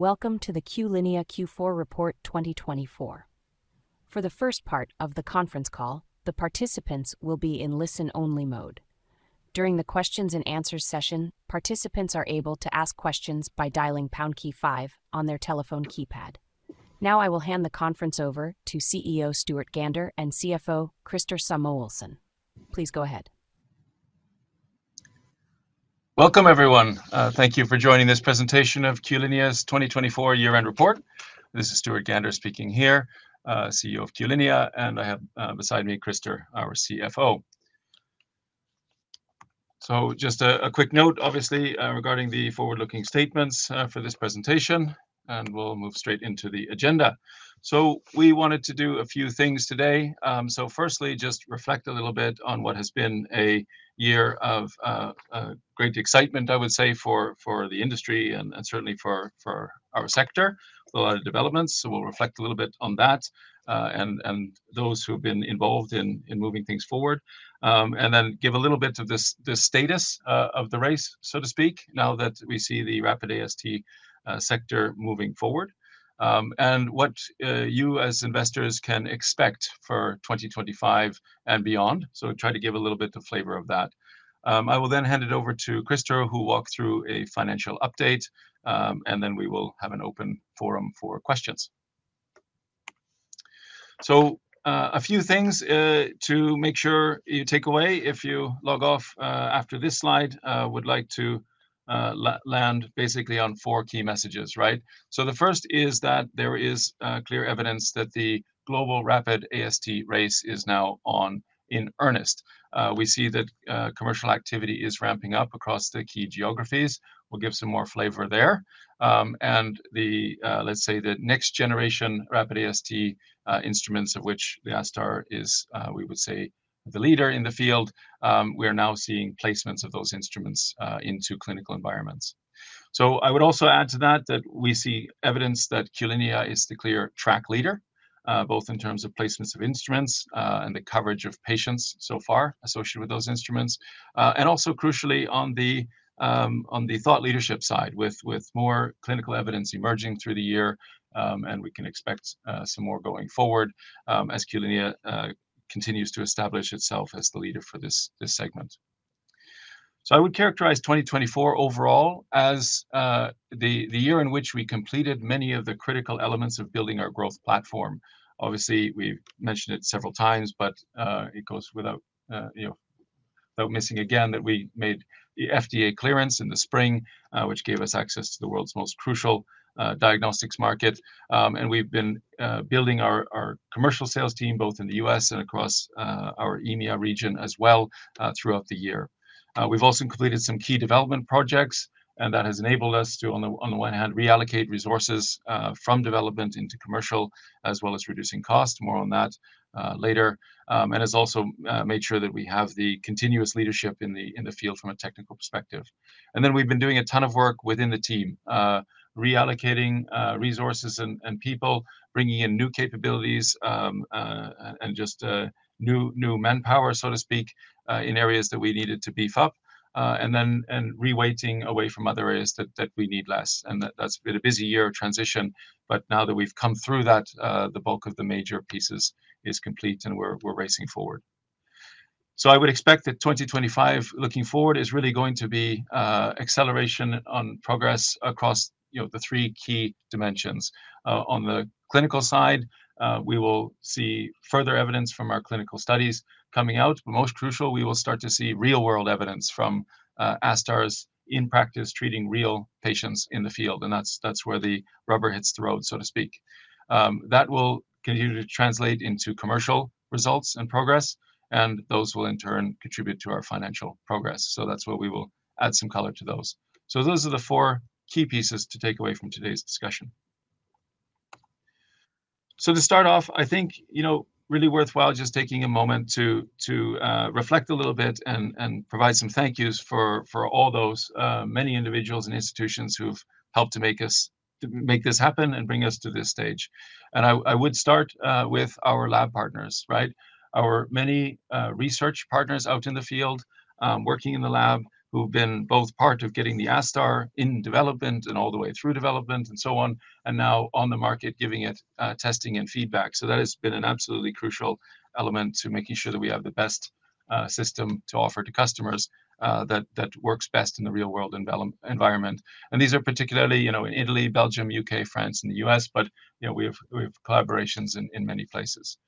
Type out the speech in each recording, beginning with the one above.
Welcome to the Q-linea Q4 report 2024. For the first part of the conference call, the participants will be in listen-only mode. During the Q&A session, participants are able to ask questions by dialing pound key five on their telephone keypad. Now I will hand the conference over to CEO Stuart Gander and CFO Christer Samuelsson. Please go ahead. Welcome, everyone. Thank you for joining this presentation of Q-linea's 2024 year-end report. This is Stuart Gander speaking here, CEO of Q-linea, and I have beside me Christer, our CFO. Just a quick note, obviously, regarding the forward-looking statements for this presentation, and we'll move straight into the agenda. We wanted to do a few things today. Firstly, just reflect a little bit on what has been a year of great excitement, I would say, for the industry and certainly for our sector, with a lot of developments. We will reflect a little bit on that and those who have been involved in moving things forward, and then give a little bit of the status of the race, so to speak, now that we see the rapid AST sector moving forward, and what you U.S. investors can expect for 2025 and beyond. Try to give a little bit of flavor of that. I will then hand it over to Christer, who will walk through a financial update, and then we will have an open forum for questions. A few things to make sure you take away if you log off after this slide. I would like to land basically on four key messages. The first is that there is clear evidence that the global rapid AST race is now on in earnest. We see that commercial activity is ramping up across the key geographies. We'll give some more flavor there. Let's say the next generation rapid AST instruments, of which the ASTAR is, we would say, the leader in the field, we are now seeing placements of those instruments into clinical environments. I would also add to that that we see evidence that Q-linea is the clear track leader, both in terms of placements of instruments and the coverage of patients so far associated with those instruments, and also crucially on the thought leadership side, with more clinical evidence emerging through the year, and we can expect some more going forward as Q-linea continues to establish itself as the leader for this segment. I would characterize 2024 overall as the year in which we completed many of the critical elements of building our growth platform. Obviously, we've mentioned it several times, but it goes without missing again that we made the FDA clearance in the spring, which gave us access to the world's most crucial diagnostics market. We've been building our commercial sales team, both in the U.S. and across our EMEA region as well, throughout the year. We've also completed some key development projects, and that has enabled us to, on the one hand, reallocate resources from development into commercial, as well as reducing cost, more on that later, and has also made sure that we have the continuous leadership in the field from a technical perspective. We've been doing a ton of work within the team, reallocating resources and people, bringing in new capabilities, and just new manpower, so to speak, in areas that we needed to beef up, and then reweighting away from other areas that we need less. That's been a busy year of transition, but now that we've come through that, the bulk of the major pieces is complete and we're racing forward. I would expect that 2025, looking forward, is really going to be acceleration on progress across the three key dimensions. On the clinical side, we will see further evidence from our clinical studies coming out, but most crucial, we will start to see real-world evidence from ASTARs in practice treating real patients in the field. That is where the rubber hits the road, so to speak. That will continue to translate into commercial results and progress, and those will in turn contribute to our financial progress. That is where we will add some color to those. Those are the four key pieces to take away from today's discussion. To start off, I think it is really worthwhile just taking a moment to reflect a little bit and provide some thank-yous for all those many individuals and institutions who have helped to make this happen and bring us to this stage. I would start with our lab partners, our many research partners out in the field, working in the lab, who've been both part of getting the ASTAR in development and all the way through development and so on, and now on the market, giving it testing and feedback. That has been an absolutely crucial element to making sure that we have the best system to offer to customers that works best in the real-world environment. These are particularly in Italy, Belgium, U.K., France, and the U.S., but we have collaborations in many places.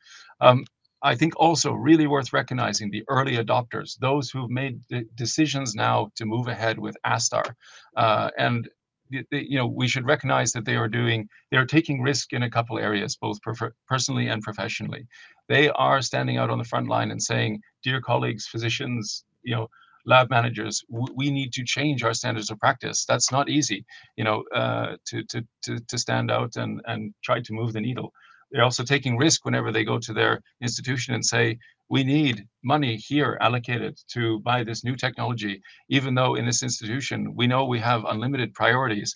I think also really worth recognizing the early adopters, those who've made the decisions now to move ahead with ASTAR. We should recognize that they are taking risk in a couple of areas, both personally and professionally. They are standing out on the front line and saying, "Dear colleagues, physicians, lab managers, we need to change our standards of practice." That's not easy to stand out and try to move the needle. They're also taking risk whenever they go to their institution and say, "We need money here allocated to buy this new technology," even though in this institution, we know we have unlimited priorities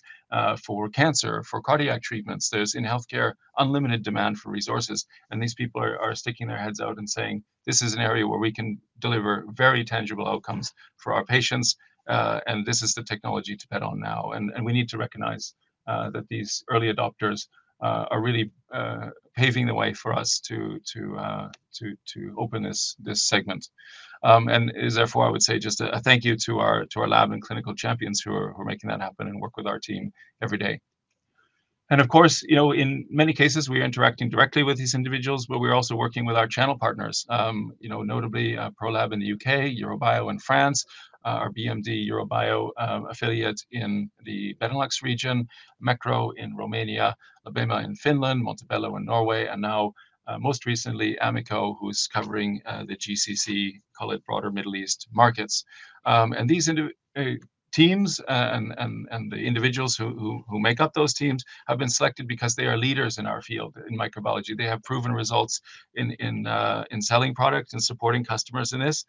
for cancer, for cardiac treatments. There is in healthcare, unlimited demand for resources. These people are sticking their heads out and saying, "This is an area where we can deliver very tangible outcomes for our patients, and this is the technology to bet on now." We need to recognize that these early adopters are really paving the way for us to open this segment. I would say just a thank-you to our lab and clinical champions who are making that happen and work with our team every day. Of course, in many cases, we are interacting directly with these individuals, but we're also working with our channel partners, notably Prolab in the U.K., Eurobio in France, our BMD Eurobio affiliate in the Benelux region, Mekro in Romania, Labema in Finland, Montebello in Norway, and now, most recently, Amico, who's covering the GCC, call it broader Middle East markets. These teams and the individuals who make up those teams have been selected because they are leaders in our field in microbiology. They have proven results in selling products and supporting customers in this.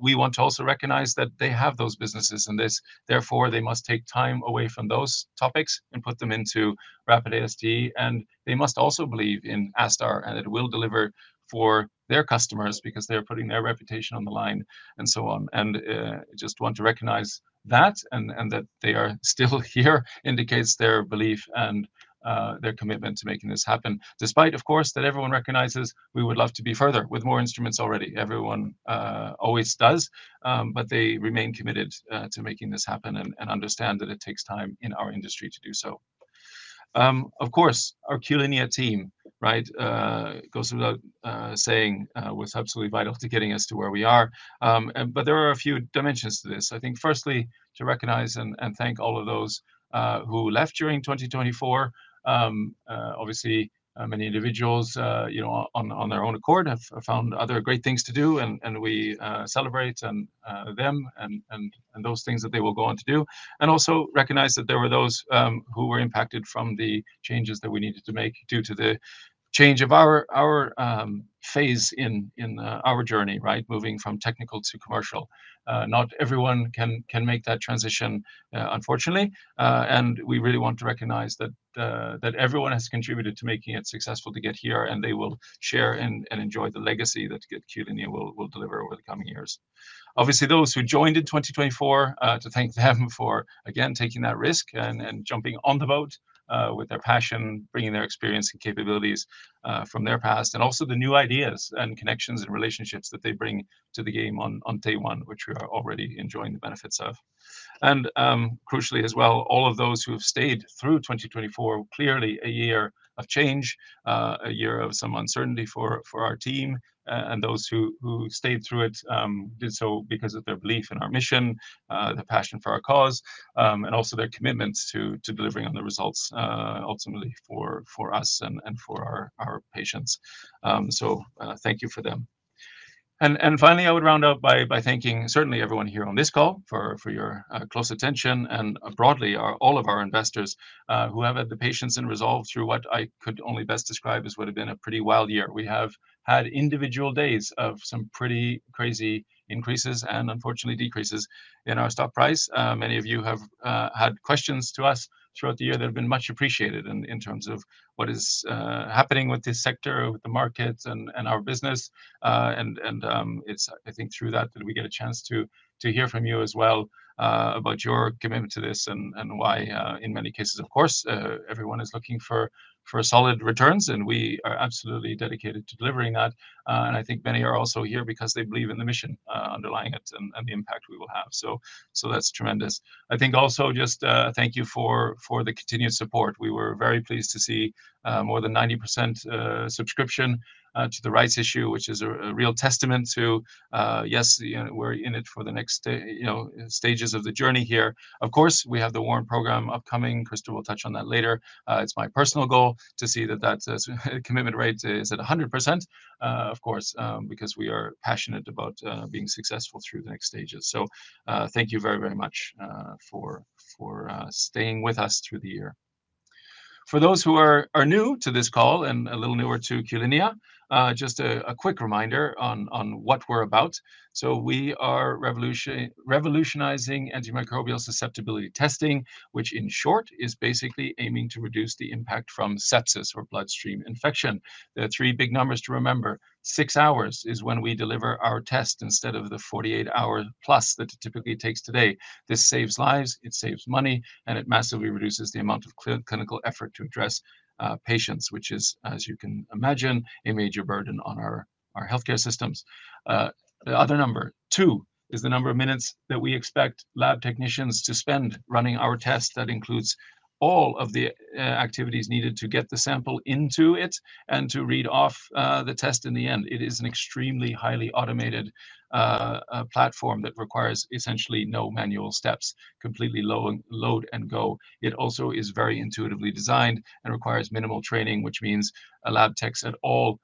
We want to also recognize that they have those businesses in this. Therefore, they must take time away from those topics and put them into rapid AST. They must also believe in ASTAR and that it will deliver for their customers because they are putting their reputation on the line and so on. I just want to recognize that and that they are still here indicates their belief and their commitment to making this happen. Of course, everyone recognizes we would love to be further with more instruments already. Everyone always does, but they remain committed to making this happen and understand that it takes time in our industry to do so. Of course, our Q-linea team goes without saying was absolutely vital to getting us to where we are. There are a few dimensions to this. I think, firstly, to recognize and thank all of those who left during 2024. Obviously, many individuals on their own accord have found other great things to do, and we celebrate them and those things that they will go on to do. We also recognize that there were those who were impacted from the changes that we needed to make due to the change of our phase in our journey, moving from technical to commercial. Not everyone can make that transition, unfortunately. We really want to recognize that everyone has contributed to making it successful to get here, and they will share and enjoy the legacy that Q-linea will deliver over the coming years. Obviously, those who joined in 2024, to thank them for, again, taking that risk and jumping on the boat with their passion, bringing their experience and capabilities from their past, and also the new ideas and connections and relationships that they bring to the game on day one, which we are already enjoying the benefits of. Crucially as well, all of those who have stayed through 2024, clearly a year of change, a year of some uncertainty for our team, and those who stayed through it did so because of their belief in our mission, the passion for our cause, and also their commitments to delivering on the results ultimately for us and for our patients. Thank you for them. Finally, I would round up by thanking certainly everyone here on this call for your close attention and broadly all of our investors who have had the patience and resolve through what I could only best describe as would have been a pretty wild year. We have had individual days of some pretty crazy increases and unfortunately decreases in our stock price. Many of you have had questions to us throughout the year that have been much appreciated in terms of what is happening with this sector, with the markets and our business. I think through that, we get a chance to hear from you as well about your commitment to this and why, in many cases, of course, everyone is looking for solid returns, and we are absolutely dedicated to delivering that. I think many are also here because they believe in the mission underlying it and the impact we will have. That is tremendous. I think also just thank you for the continued support. We were very pleased to see more than 90% subscription to the rights issue, which is a real testament to, yes, we're in it for the next stages of the journey here. Of course, we have the warm program upcoming. Christer will touch on that later. It is my personal goal to see that that commitment rate is at 100%, of course, because we are passionate about being successful through the next stages. Thank you very, very much for staying with us through the year. For those who are new to this call and a little newer to Q-linea, just a quick reminder on what we're about. We are revolutionizing antimicrobial susceptibility testing, which in short is basically aiming to reduce the impact from sepsis or bloodstream infection. There are three big numbers to remember. Six hours is when we deliver our test instead of the 48-hour plus that it typically takes today. This saves lives, it saves money, and it massively reduces the amount of clinical effort to address patients, which is, as you can imagine, a major burden on our healthcare systems. The other number, two, is the number of minutes that we expect lab technicians to spend running our test. That includes all of the activities needed to get the sample into it and to read off the test in the end. It is an extremely highly automated platform that requires essentially no manual steps, completely load and go. It also is very intuitively designed and requires minimal training, which means a lab tech at all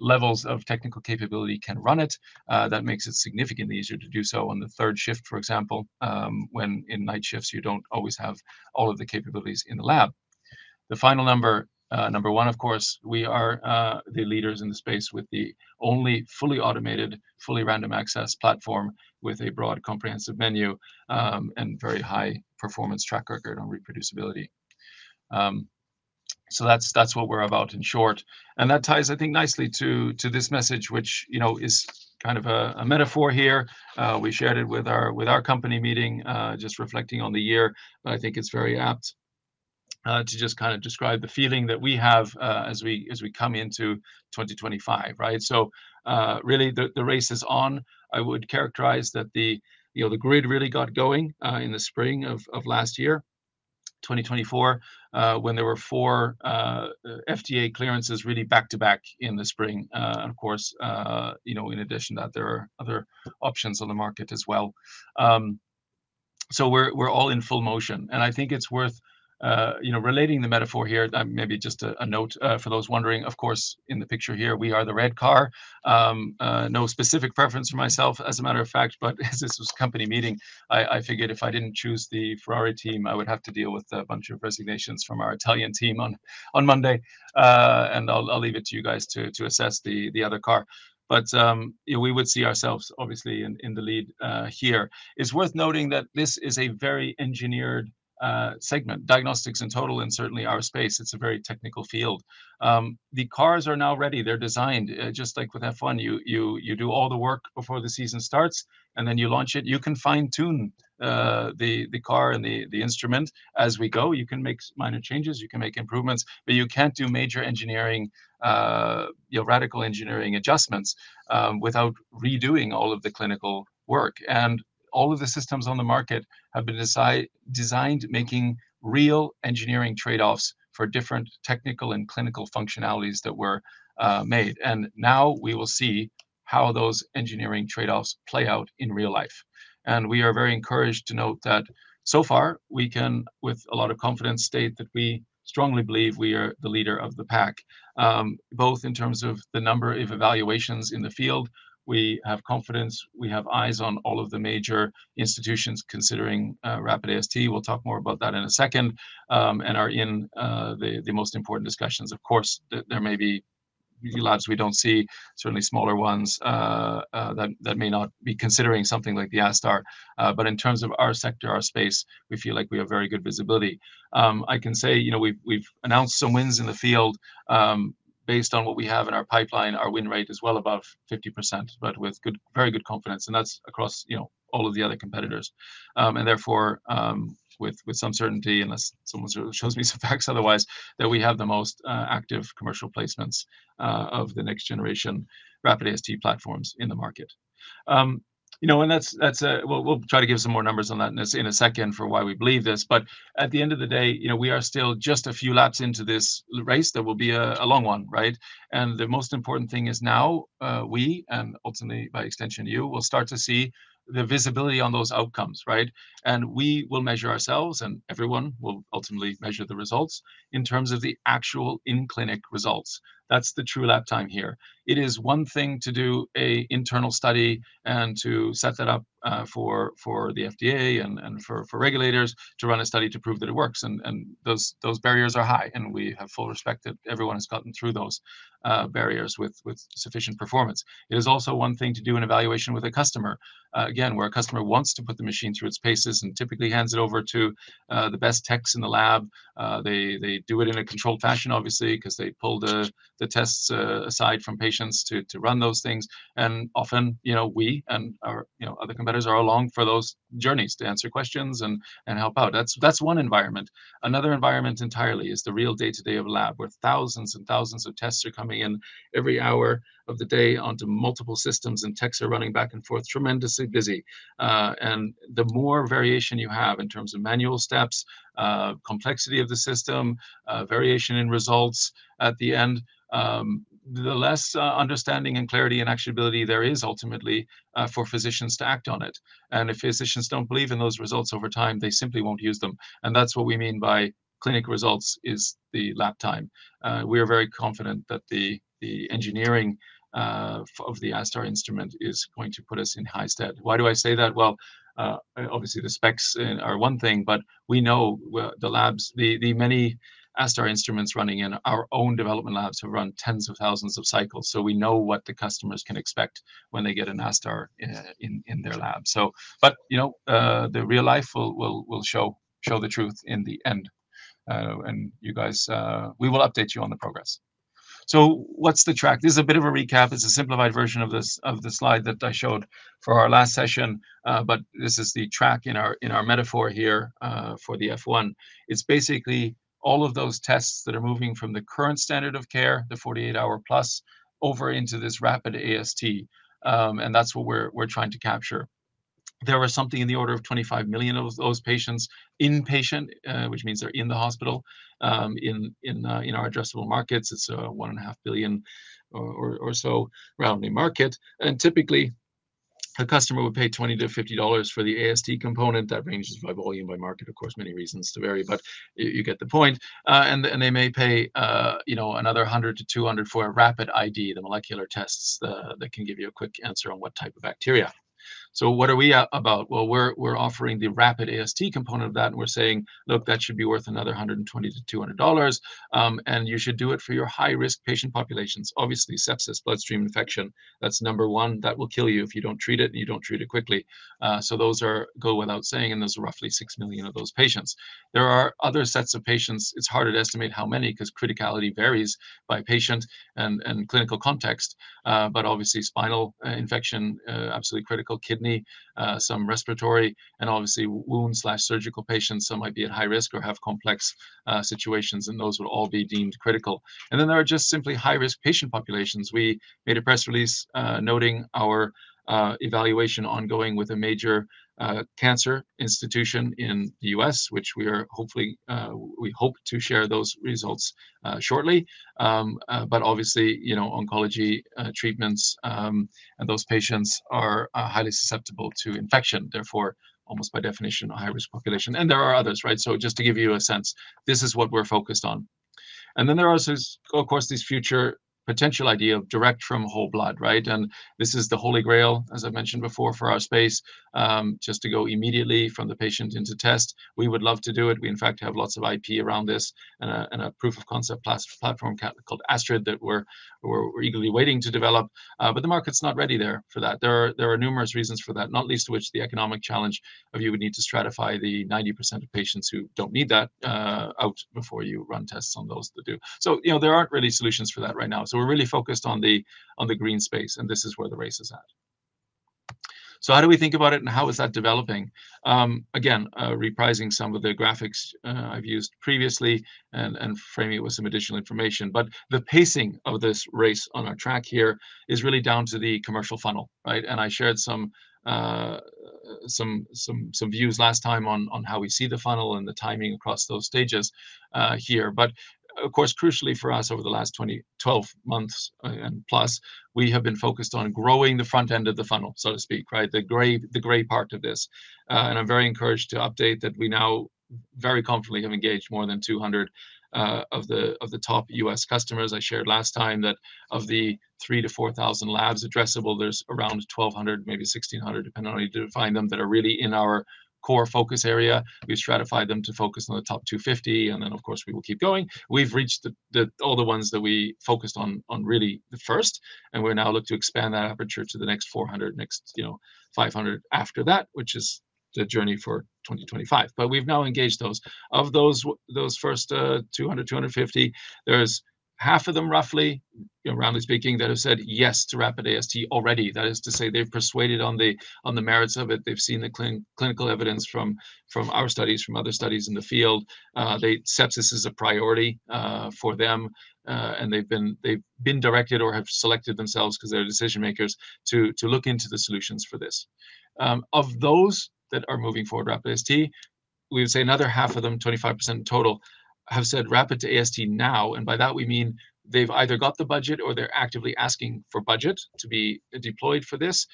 levels of technical capability can run it. That makes it significantly easier to do so on the third shift, for example, when in night shifts, you don't always have all of the capabilities in the lab. The final number, number one, of course, we are the leaders in the space with the only fully automated, fully random access platform with a broad comprehensive menu and very high performance track record on reproducibility. That is what we're about in short. That ties, I think, nicely to this message, which is kind of a metaphor here. We shared it with our company meeting, just reflecting on the year, but I think it's very apt to just kind of describe the feeling that we have as we come into 2025. Really, the race is on. I would characterize that the grid really got going in the spring of last year, 2024, when there were four FDA clearances really back to back in the spring. Of course, in addition to that, there are other options on the market as well. We are all in full motion. I think it's worth relating the metaphor here. Maybe just a note for those wondering. Of course, in the picture here, we are the red car. No specific preference for myself, as a matter of fact, but as this was a company meeting, I figured if I did not choose the Ferrari team, I would have to deal with a bunch of resignations from our Italian team on Monday. I'll leave it to you guys to assess the other car. We would see ourselves, obviously, in the lead here. It's worth noting that this is a very engineered segment, diagnostics in total, and certainly our space. It's a very technical field. The cars are now ready. They're designed. Just like with F1, you do all the work before the season starts, and then you launch it. You can fine-tune the car and the instrument as we go. You can make minor changes. You can make improvements, but you can't do major engineering, radical engineering adjustments without redoing all of the clinical work. All of the systems on the market have been designed making real engineering trade-offs for different technical and clinical functionalities that were made. Now we will see how those engineering trade-offs play out in real life. We are very encouraged to note that so far, we can, with a lot of confidence, state that we strongly believe we are the leader of the pack, both in terms of the number of evaluations in the field. We have confidence. We have eyes on all of the major institutions considering rapid AST. We'll talk more about that in a second and are in the most important discussions. Of course, there may be a few labs we don't see, certainly smaller ones that may not be considering something like the ASTAR. In terms of our sector, our space, we feel like we have very good visibility. I can say we've announced some wins in the field based on what we have in our pipeline. Our win rate is well above 50%, but with very good confidence. That's across all of the other competitors. Therefore, with some certainty unless someone shows me some facts otherwise, we have the most active commercial placements of the next generation rapid AST platforms in the market. We will try to give some more numbers on that in a second for why we believe this. At the end of the day, we are still just a few laps into this race. There will be a long one. The most important thing is now we, and ultimately, by extension, you, will start to see the visibility on those outcomes. We will measure ourselves, and everyone will ultimately measure the results in terms of the actual in-clinic results. That is the true lap time here. It is one thing to do an internal study and to set that up for the FDA and for regulators to run a study to prove that it works. Those barriers are high, and we have full respect that everyone has gotten through those barriers with sufficient performance. It is also one thing to do an evaluation with a customer, again, where a customer wants to put the machine through its paces and typically hands it over to the best techs in the lab. They do it in a controlled fashion, obviously, because they pull the tests aside from patients to run those things. Often, we and our other competitors are along for those journeys to answer questions and help out. That is one environment. Another environment entirely is the real day-to-day of a lab where thousands and thousands of tests are coming in every hour of the day onto multiple systems, and techs are running back and forth, tremendously busy. The more variation you have in terms of manual steps, complexity of the system, variation in results at the end, the less understanding and clarity and actionability there is ultimately for physicians to act on it. If physicians do not believe in those results over time, they simply will not use them. That is what we mean by clinic results is the lap time. We are very confident that the engineering of the ASTAR instrument is going to put us in high stead. Why do I say that? Obviously, the specs are one thing, but we know the labs, the many ASTAR instruments running in our own development labs have run tens of thousands of cycles. We know what the customers can expect when they get an ASTAR in their lab. The real life will show the truth in the end. We will update you on the progress. What's the track? This is a bit of a recap. It's a simplified version of the slide that I showed for our last session, but this is the track in our metaphor here for the F1. It's basically all of those tests that are moving from the current standard of care, the 48-hour plus, over into this rapid AST. That's what we're trying to capture. There were something in the order of 25 million of those patients inpatient, which means they're in the hospital. In our addressable markets, it's 1.5 billion or so rounding market. Typically, a customer would pay $20 - $50 for the AST component. That ranges by volume, by market, of course, many reasons to vary, but you get the point. They may pay another 100 - 200 for a rapid ID, the molecular tests that can give you a quick answer on what type of bacteria. What are we about? We are offering the rapid AST component of that, and we are saying, "Look, that should be worth another $120 - $200, and you should do it for your high-risk patient populations." Obviously, sepsis, bloodstream infection, that is number one that will kill you if you do not treat it and you do not treat it quickly. Those go without saying, and there are roughly six million of those patients. There are other sets of patients. It is hard to estimate how many because criticality varies by patient and clinical context, but obviously, spinal infection, absolutely critical, kidney, some respiratory, and obviously, wound/surgical patients. Some might be at high risk or have complex situations, and those would all be deemed critical. There are just simply high-risk patient populations. We made a press release noting our evaluation ongoing with a major cancer institution in the U.S., which we hope to share those results shortly. Obviously, oncology treatments and those patients are highly susceptible to infection, therefore, almost by definition, a high-risk population. There are others, right? Just to give you a sense, this is what we're focused on. There are also, of course, this future potential idea of direct from whole blood, right? This is the Holy Grail, as I mentioned before, for our space, just to go immediately from the patient into test. We would love to do it. We, in fact, have lots of IP around this and a proof of concept platform called ASTRID that we're eagerly waiting to develop. The market's not ready there for that. There are numerous reasons for that, not least to which the economic challenge of you would need to stratify the 90% of patients who don't need that out before you run tests on those that do. There aren't really solutions for that right now. We're really focused on the green space, and this is where the race is at. How do we think about it, and how is that developing? Again, reprising some of the graphics I've used previously and framing it with some additional information. The pacing of this race on our track here is really down to the commercial funnel, right? I shared some views last time on how we see the funnel and the timing across those stages here. Of course, crucially for us, over the last 12 months and plus, we have been focused on growing the front end of the funnel, so to speak, right? The great part of this. I'm very encouraged to update that we now very confidently have engaged more than 200 of the top U.S. customers. I shared last time that of the 3,000 - 4,000 labs addressable, there's around 1,200, maybe 1,600, depending on how you define them, that are really in our core focus area. We've stratified them to focus on the top 250, and then, of course, we will keep going. We've reached all the ones that we focused on really first, and we're now looking to expand that aperture to the next 400, next 500 after that, which is the journey for 2025. We've now engaged those. Of those first 200 - 250, there's half of them, roughly, roundly speaking, that have said yes to rapid AST already. That is to say they've been persuaded on the merits of it. They've seen the clinical evidence from our studies, from other studies in the field. Sepsis is a priority for them, and they've been directed or have selected themselves because they're decision makers to look into the solutions for this. Of those that are moving forward rapid AST, we would say another half of them, 25% total, have said rapid to AST now. By that, we mean they've either got the budget or they're actively asking for budget to be deployed for this.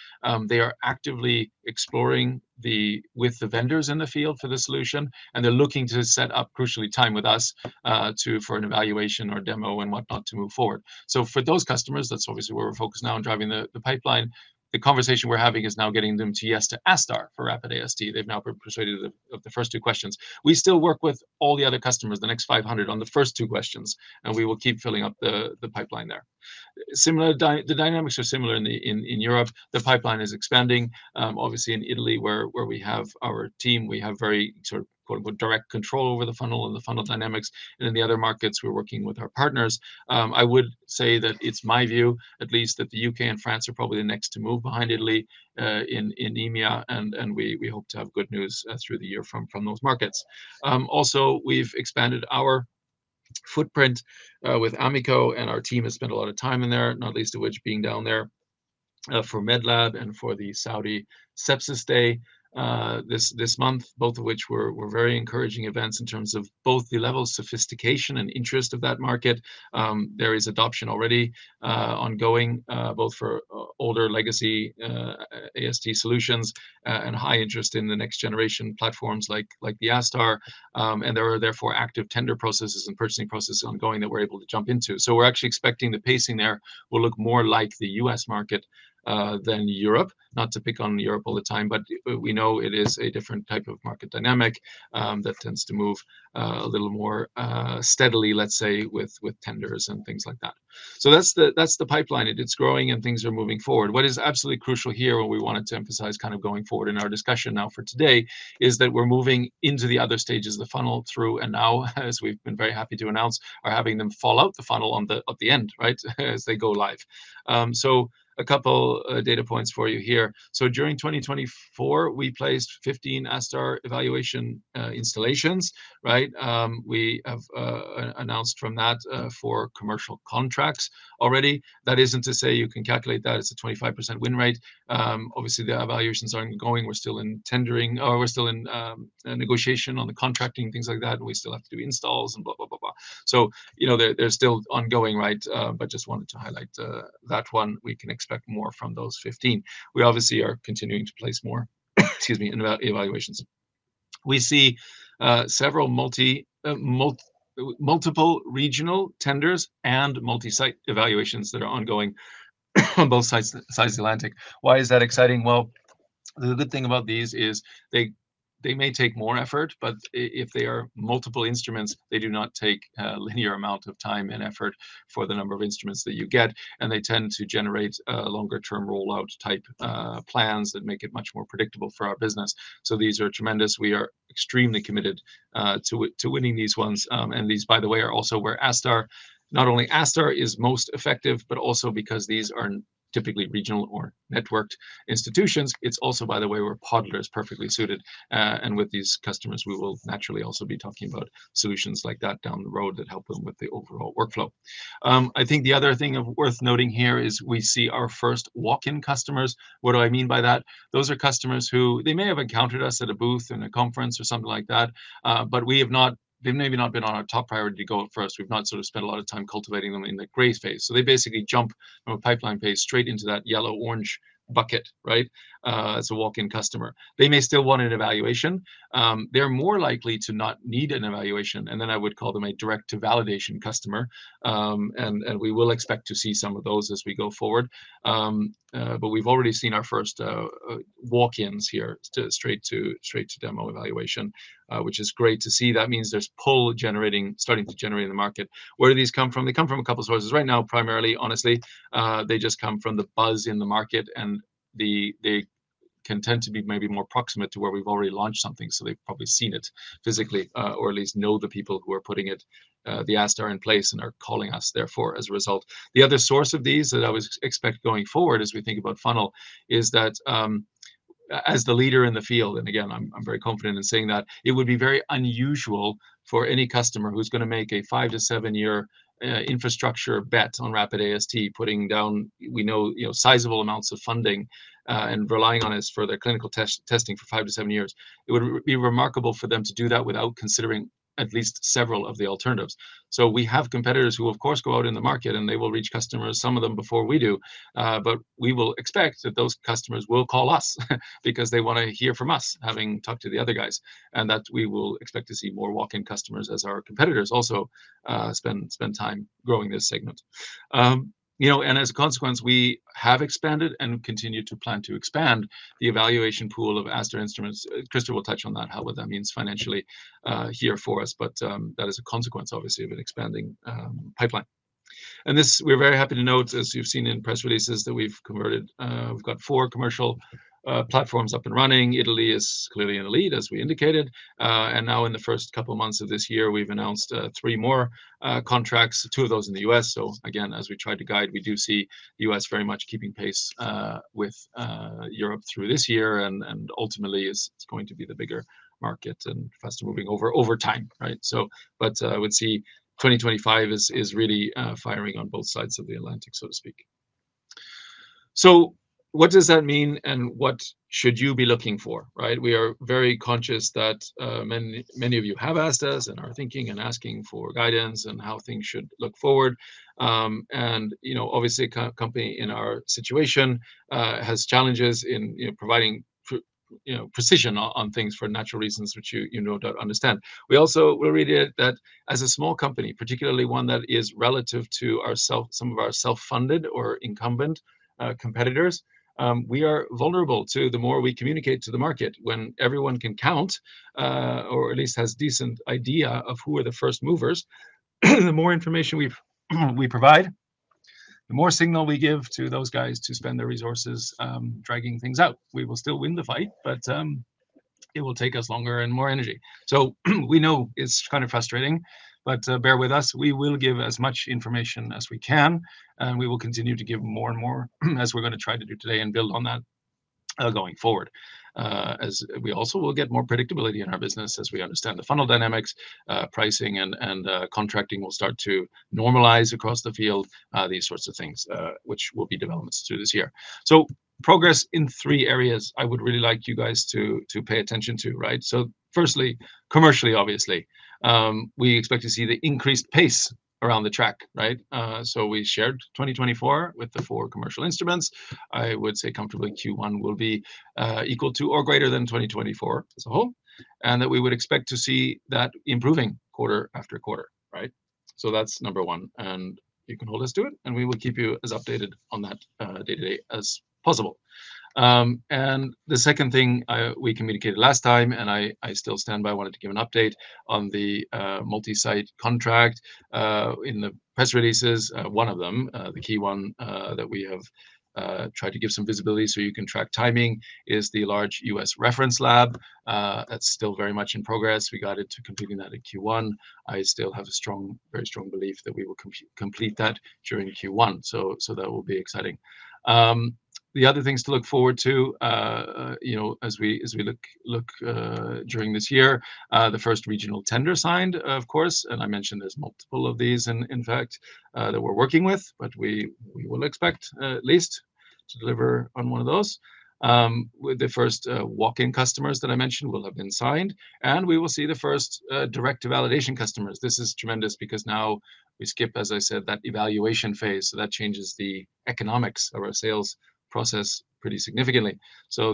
They are actively exploring with the vendors in the field for the solution, and they're looking to set up, crucially, time with us for an evaluation or demo and whatnot to move forward. For those customers, that's obviously where we're focused now on driving the pipeline. The conversation we're having is now getting them to yes to ASTAR for rapid AST. They've now persuaded of the first two questions. We still work with all the other customers, the next 500, on the first two questions, and we will keep filling up the pipeline there. The dynamics are similar in Europe. The pipeline is expanding. Obviously, in Italy, where we have our team, we have very sort of direct control over the funnel and the funnel dynamics. In the other markets, we're working with our partners. I would say that it's my view, at least, that the U.K. and France are probably the next to move behind Italy in EMEA, and we hope to have good news through the year from those markets. Also, we've expanded our footprint with Amico, and our team has spent a lot of time in there, not least of which being down there for MedLab and for the Saudi Sepsis Day this month, both of which were very encouraging events in terms of both the level of sophistication and interest of that market. There is adoption already ongoing, both for older legacy AST solutions and high interest in the next generation platforms like the ASTAR. There are therefore active tender processes and purchasing processes ongoing that we're able to jump into. We're actually expecting the pacing there will look more like the U.S. market than Europe, not to pick on Europe all the time, but we know it is a different type of market dynamic that tends to move a little more steadily, let's say, with tenders and things like that. That's the pipeline. It's growing, and things are moving forward. What is absolutely crucial here, and we wanted to emphasize kind of going forward in our discussion now for today, is that we're moving into the other stages of the funnel through, and now, as we've been very happy to announce, are having them fall out the funnel at the end, right, as they go live. A couple of data points for you here. During 2024, we placed 15 ASTAR evaluation installations, right? We have announced from that four commercial contracts already. That isn't to say you can calculate that as a 25% win rate. Obviously, the evaluations are ongoing. We're still in tendering or we're still in negotiation on the contracting, things like that. We still have to do installs and blah, blah, blah, blah. They're still ongoing, right? Just wanted to highlight that one. We can expect more from those 15. We obviously are continuing to place more, excuse me, in evaluations. We see several multiple regional tenders and multi-site evaluations that are ongoing on both sides of the Atlantic. Why is that exciting? The good thing about these is they may take more effort, but if they are multiple instruments, they do not take a linear amount of time and effort for the number of instruments that you get. They tend to generate longer-term rollout type plans that make it much more predictable for our business. These are tremendous. We are extremely committed to winning these ones. These, by the way, are also where ASTAR, not only ASTAR is most effective, but also because these are typically regional or networked institutions, it is also, by the way, where Podlet is perfectly suited. With these customers, we will naturally also be talking about solutions like that down the road that help them with the overall workflow. I think the other thing worth noting here is we see our first walk-in customers. What do I mean by that? Those are customers who, they may have encountered us at a booth in a conference or something like that, but we have not, they may have not been on our top priority to go at first. We've not sort of spent a lot of time cultivating them in the gray phase. They basically jump from a pipeline phase straight into that yellow-orange bucket, right, as a walk-in customer. They may still want an evaluation. They're more likely to not need an evaluation. I would call them a direct-to-validation customer. We will expect to see some of those as we go forward. We have already seen our first walk-ins here straight to demo evaluation, which is great to see. That means there is pull starting to generate in the market. Where do these come from? They come from a couple of sources right now, primarily, honestly. They just come from the buzz in the market, and they can tend to be maybe more proximate to where we have already launched something. So they have probably seen it physically or at least know the people who are putting the ASTAR in place and are calling us therefore as a result. The other source of these that I would expect going forward as we think about funnel is that as the leader in the field, and again, I'm very confident in saying that, it would be very unusual for any customer who's going to make a five- to seven-year infrastructure bet on rapid AST, putting down, we know, sizable amounts of funding and relying on it for their clinical testing for five to seven years. It would be remarkable for them to do that without considering at least several of the alternatives. We have competitors who, of course, go out in the market, and they will reach customers, some of them before we do. We will expect that those customers will call us because they want to hear from us, having talked to the other guys, and that we will expect to see more walk-in customers as our competitors also spend time growing this segment. As a consequence, we have expanded and continue to plan to expand the evaluation pool of ASTAR instruments. Christer will touch on that, how that means financially here for us, but that is a consequence, obviously, of an expanding pipeline. We are very happy to note, as you have seen in press releases, that we have converted. We have got four commercial platforms up and running. Italy is clearly in the lead, as we indicated. Now, in the first couple of months of this year, we have announced three more contracts, two of those in the U.S. As we try to guide, we do see the U.S. very much keeping pace with Europe through this year. Ultimately, it is going to be the bigger market and faster moving over time, right? I would see 2025 as really firing on both sides of the Atlantic, so to speak. What does that mean, and what should you be looking for, right? We are very conscious that many of you have asked us and are thinking and asking for guidance and how things should look forward. Obviously, a company in our situation has challenges in providing precision on things for natural reasons which you do not understand. We also will read it that as a small company, particularly one that is relative to some of our self-funded or incumbent competitors, we are vulnerable to the more we communicate to the market when everyone can count or at least has a decent idea of who are the first movers. The more information we provide, the more signal we give to those guys to spend their resources dragging things out. We will still win the fight, but it will take us longer and more energy. We know it's kind of frustrating, but bear with us. We will give as much information as we can, and we will continue to give more and more as we're going to try to do today and build on that going forward. We also will get more predictability in our business as we understand the funnel dynamics, pricing, and contracting will start to normalize across the field, these sorts of things, which will be developments through this year. Progress in three areas I would really like you guys to pay attention to, right? Firstly, commercially, obviously, we expect to see the increased pace around the track, right? We shared 2024 with the four commercial instruments. I would say comfortably Q1 will be equal to or greater than 2024 as a whole, and that we would expect to see that improving quarter after quarter, right? That is number one. You can hold us to it, and we will keep you as updated on that day-to-day as possible. The second thing we communicated last time, and I still stand by, wanted to give an update on the multi-site contract in the press releases. One of them, the key one that we have tried to give some visibility so you can track timing, is the large U.S. reference lab. That's still very much in progress. We got it to completing that in Q1. I still have a very strong belief that we will complete that during Q1. That will be exciting. The other things to look forward to as we look during this year, the first regional tender signed, of course. I mentioned there's multiple of these, in fact, that we're working with, but we will expect at least to deliver on one of those. The first walk-in customers that I mentioned will have been signed, and we will see the first direct-to-validation customers. This is tremendous because now we skip, as I said, that evaluation phase. That changes the economics of our sales process pretty significantly.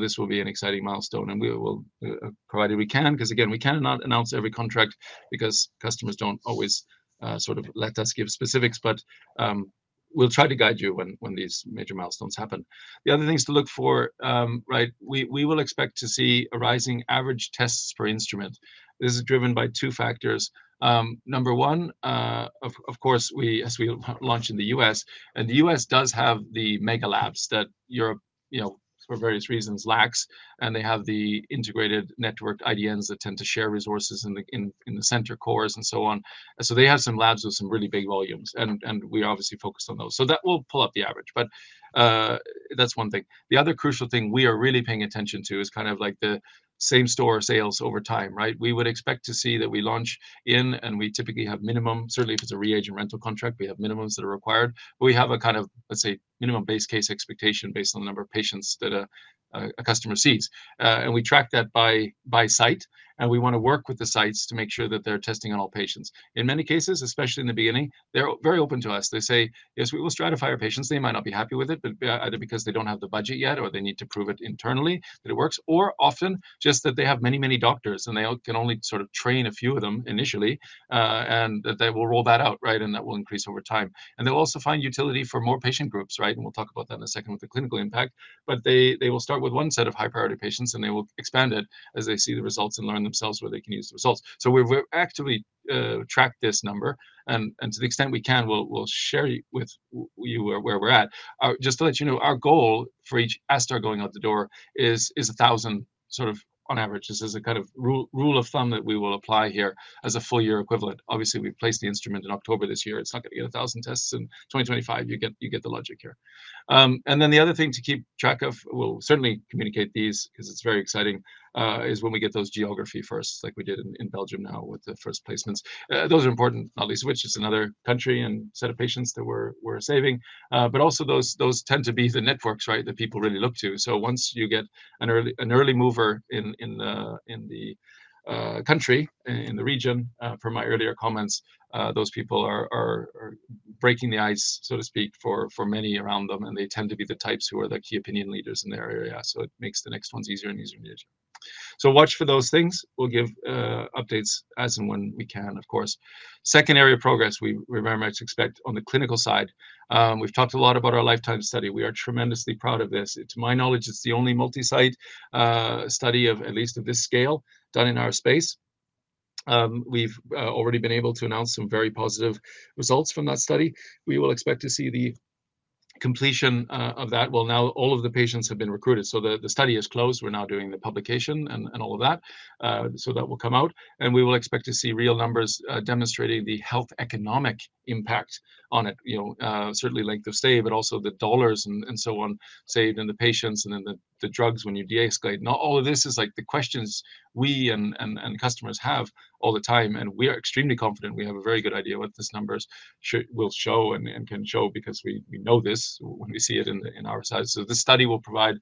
This will be an exciting milestone, and we will provide it if we can because, again, we cannot announce every contract because customers do not always sort of let us give specifics. We will try to guide you when these major milestones happen. The other things to look for, right, we will expect to see a rising average tests per instrument. This is driven by two factors. Number one, of course, as we launch in the U.S., and the U.S. does have the mega labs that Europe, for various reasons, lacks. They have the integrated network IDNs that tend to share resources in the center cores and so on. They have some labs with some really big volumes, and we are obviously focused on those. That will pull up the average, but that's one thing. The other crucial thing we are really paying attention to is kind of like the same store sales over time, right? We would expect to see that we launch in, and we typically have minimum, certainly if it's a reagent rental contract, we have minimums that are required. We have a kind of, let's say, minimum base case expectation based on the number of patients that a customer sees. We track that by site, and we want to work with the sites to make sure that they're testing on all patients. In many cases, especially in the beginning, they're very open to us. They say, "Yes, we will stratify our patients." They might not be happy with it, but either because they do not have the budget yet or they need to prove it internally that it works, or often just that they have many, many doctors, and they can only sort of train a few of them initially, and that they will roll that out, right, and that will increase over time. They will also find utility for more patient groups, right? We will talk about that in a second with the clinical impact. They will start with one set of high-priority patients, and they will expand it as they see the results and learn themselves where they can use the results. We have actively tracked this number, and to the extent we can, we will share with you where we are at. Just to let you know, our goal for each ASTAR going out the door is 1,000 sort of on average. This is a kind of rule of thumb that we will apply here as a full-year equivalent. Obviously, we placed the instrument in October this year. It's not going to get 1,000 tests in 2025. You get the logic here. The other thing to keep track of, we'll certainly communicate these because it's very exciting, is when we get those geography first, like we did in Belgium now with the first placements. Those are important, not least of which it's another country and set of patients that we're saving. Also those tend to be the networks, right, that people really look to. Once you get an early mover in the country, in the region, from my earlier comments, those people are breaking the ice, so to speak, for many around them, and they tend to be the types who are the key opinion leaders in their area. It makes the next ones easier and easier and easier. Watch for those things. We'll give updates as and when we can, of course. Secondary progress, we very much expect on the clinical side. We've talked a lot about our lifetime study. We are tremendously proud of this. To my knowledge, it's the only multi-site study of at least this scale done in our space. We've already been able to announce some very positive results from that study. We will expect to see the completion of that. Now all of the patients have been recruited. The study is closed. We're now doing the publication and all of that. That will come out. We will expect to see real numbers demonstrating the health economic impact on it, certainly length of stay, but also the dollars and so on saved in the patients and in the drugs when you de-escalate. All of this is like the questions we and customers have all the time. We are extremely confident we have a very good idea what these numbers will show and can show because we know this when we see it in our size. This study will provide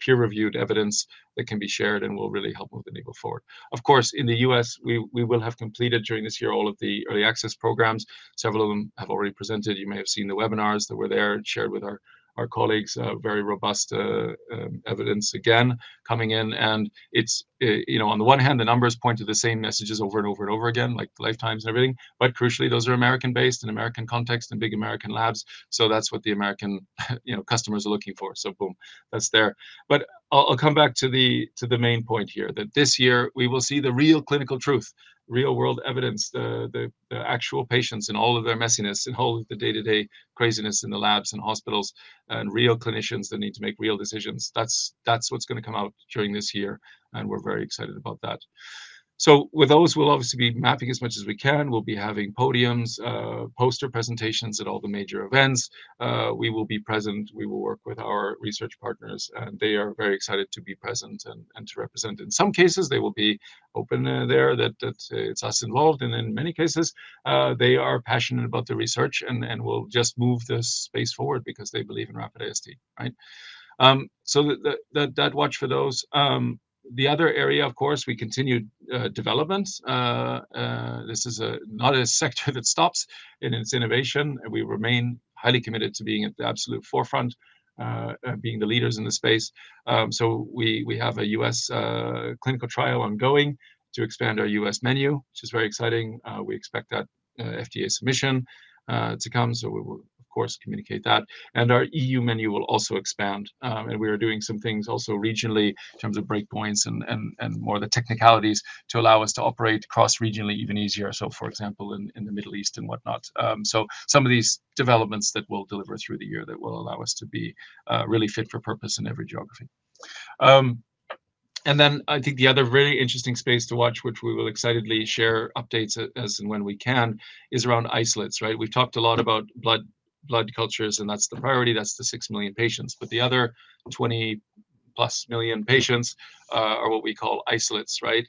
peer-reviewed evidence that can be shared and will really help move the needle forward. Of course, in the U.S., we will have completed during this year all of the early access programs. Several of them have already presented. You may have seen the webinars that were there shared with our colleagues, very robust evidence again coming in. On the one hand, the numbers point to the same messages over and over and over again, like lifetimes and everything. Crucially, those are American-based in American context and big American labs. That is what the American customers are looking for. Boom, that is there. I will come back to the main point here that this year we will see the real clinical truth, real-world evidence, the actual patients in all of their messiness and all of the day-to-day craziness in the labs and hospitals and real clinicians that need to make real decisions. That is what is going to come out during this year, and we are very excited about that. With those, we will obviously be mapping as much as we can. We'll be having podiums, poster presentations at all the major events. We will be present. We will work with our research partners, and they are very excited to be present and to represent. In some cases, they will be open there that it's us involved. In many cases, they are passionate about the research and will just move the space forward because they believe in rapid AST, right? Watch for those. The other area, of course, we continue development. This is not a sector that stops in its innovation. We remain highly committed to being at the absolute forefront, being the leaders in the space. We have a U.S. clinical trial ongoing to expand our U.S. menu, which is very exciting. We expect that FDA submission to come. We will, of course, communicate that. Our EU menu will also expand. We are doing some things also regionally in terms of breakpoints and more of the technicalities to allow us to operate cross-regionally even easier. For example, in the Middle East and whatnot. Some of these developments that we'll deliver through the year will allow us to be really fit for purpose in every geography. I think the other really interesting space to watch, which we will excitedly share updates as and when we can, is around isolates, right? We've talked a lot about blood cultures, and that's the priority. That's the six million patients. The other 20+ million patients are what we call isolates, right?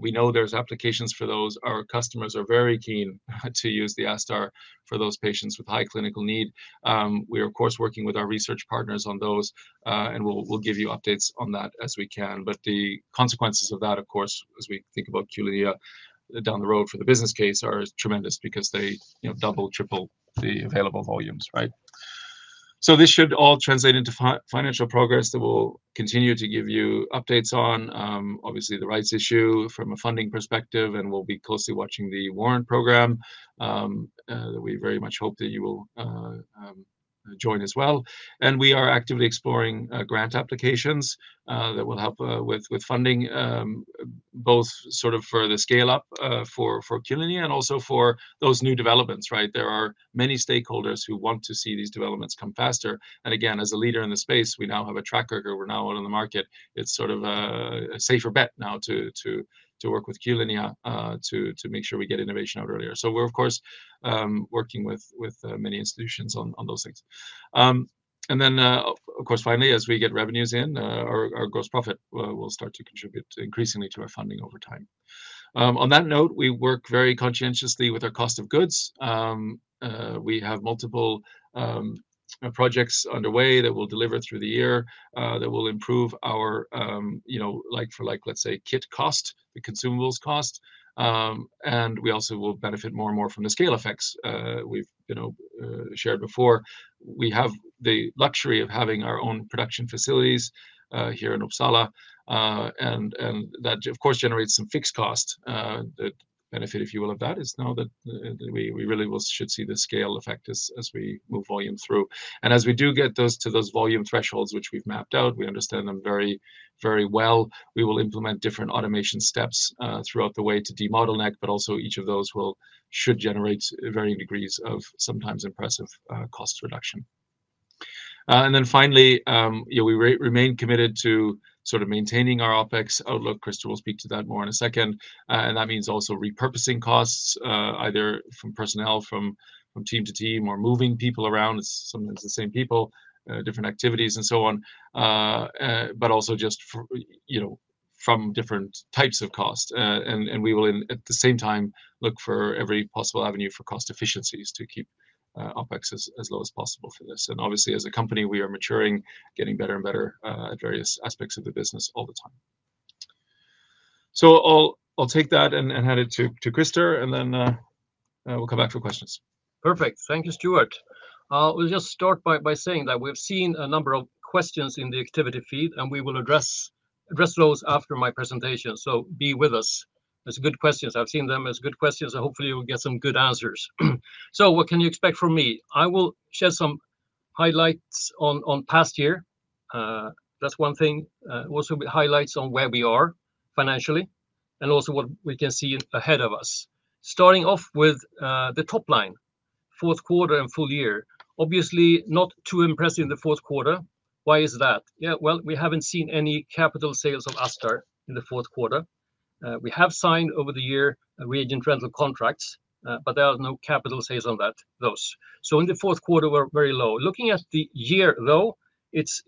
We know there's applications for those. Our customers are very keen to use the ASTAR for those patients with high clinical need. We are, of course, working with our research partners on those, and we'll give you updates on that as we can. The consequences of that, of course, as we think about Q-linea down the road for the business case are tremendous because they double, triple the available volumes, right? This should all translate into financial progress that we'll continue to give you updates on, obviously, the rights issue from a funding perspective, and we'll be closely watching the warrant program that we very much hope that you will join as well. We are actively exploring grant applications that will help with funding, both sort of for the scale-up for Q-linea and also for those new developments, right? There are many stakeholders who want to see these developments come faster. Again, as a leader in the space, we now have a tracker here. We're now out on the market. It's sort of a safer bet now to work with Q-linea to make sure we get innovation out earlier. We're, of course, working with many institutions on those things. Of course, finally, as we get revenues in, our gross profit will start to contribute increasingly to our funding over time. On that note, we work very conscientiously with our cost of goods. We have multiple projects underway that will deliver through the year that will improve our like-for-like, let's say, kit cost, the consumables cost. We also will benefit more and more from the scale effects we've shared before. We have the luxury of having our own production facilities here in Uppsala. That, of course, generates some fixed cost. The benefit, if you will, of that is now that we really should see the scale effect as we move volume through. As we do get to those volume thresholds, which we've mapped out, we understand them very, very well. We will implement different automation steps throughout the way to de-model NEC, but also each of those should generate varying degrees of sometimes impressive cost reduction. Finally, we remain committed to sort of maintaining our OpEx outlook. Christer will speak to that more in a second. That means also repurposing costs, either from personnel, from team to team, or moving people around. It's sometimes the same people, different activities, and so on, but also just from different types of cost. We will, at the same time, look for every possible avenue for cost efficiencies to keep OpEx as low as possible for this. Obviously, as a company, we are maturing, getting better and better at various aspects of the business all the time. I will take that and hand it to Christer, and then we will come back for questions. Perfect. Thank you, Stuart. I will just start by saying that we have seen a number of questions in the activity feed, and we will address those after my presentation. Be with us. It is good questions. I have seen them as good questions. Hopefully, you will get some good answers. What can you expect from me? I will share some highlights on past year. That is one thing. Also, highlights on where we are financially and also what we can see ahead of us. Starting off with the top line, fourth quarter and full year. Obviously, not too impressive in the fourth quarter. Why is that? Yeah, we haven't seen any capital sales of ASTAR in the fourth quarter. We have signed over the year reagent rental contracts, but there are no capital sales on those. In the fourth quarter, we're very low. Looking at the year, though, it's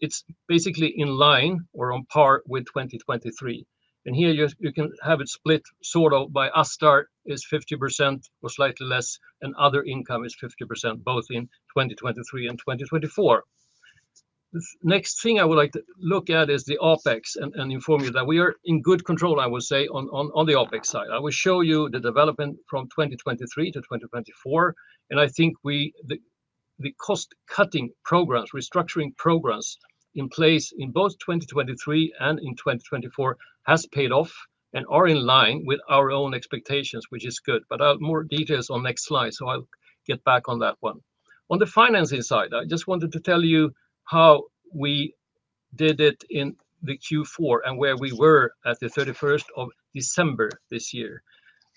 basically in line or on par with 2023. Here you can have it split sort of by ASTAR is 50% or slightly less, and other income is 50%, both in 2023 and 2024. The next thing I would like to look at is the OpEx and inform you that we are in good control, I would say, on the OpEx side. I will show you the development from 2023 - 2024. I think the cost-cutting programs, restructuring programs in place in both 2023 and in 2024 has paid off and are in line with our own expectations, which is good. More details on next slide, so I'll get back on that one. On the financing side, I just wanted to tell you how we did it in Q4 and where we were at the 31st of December this year.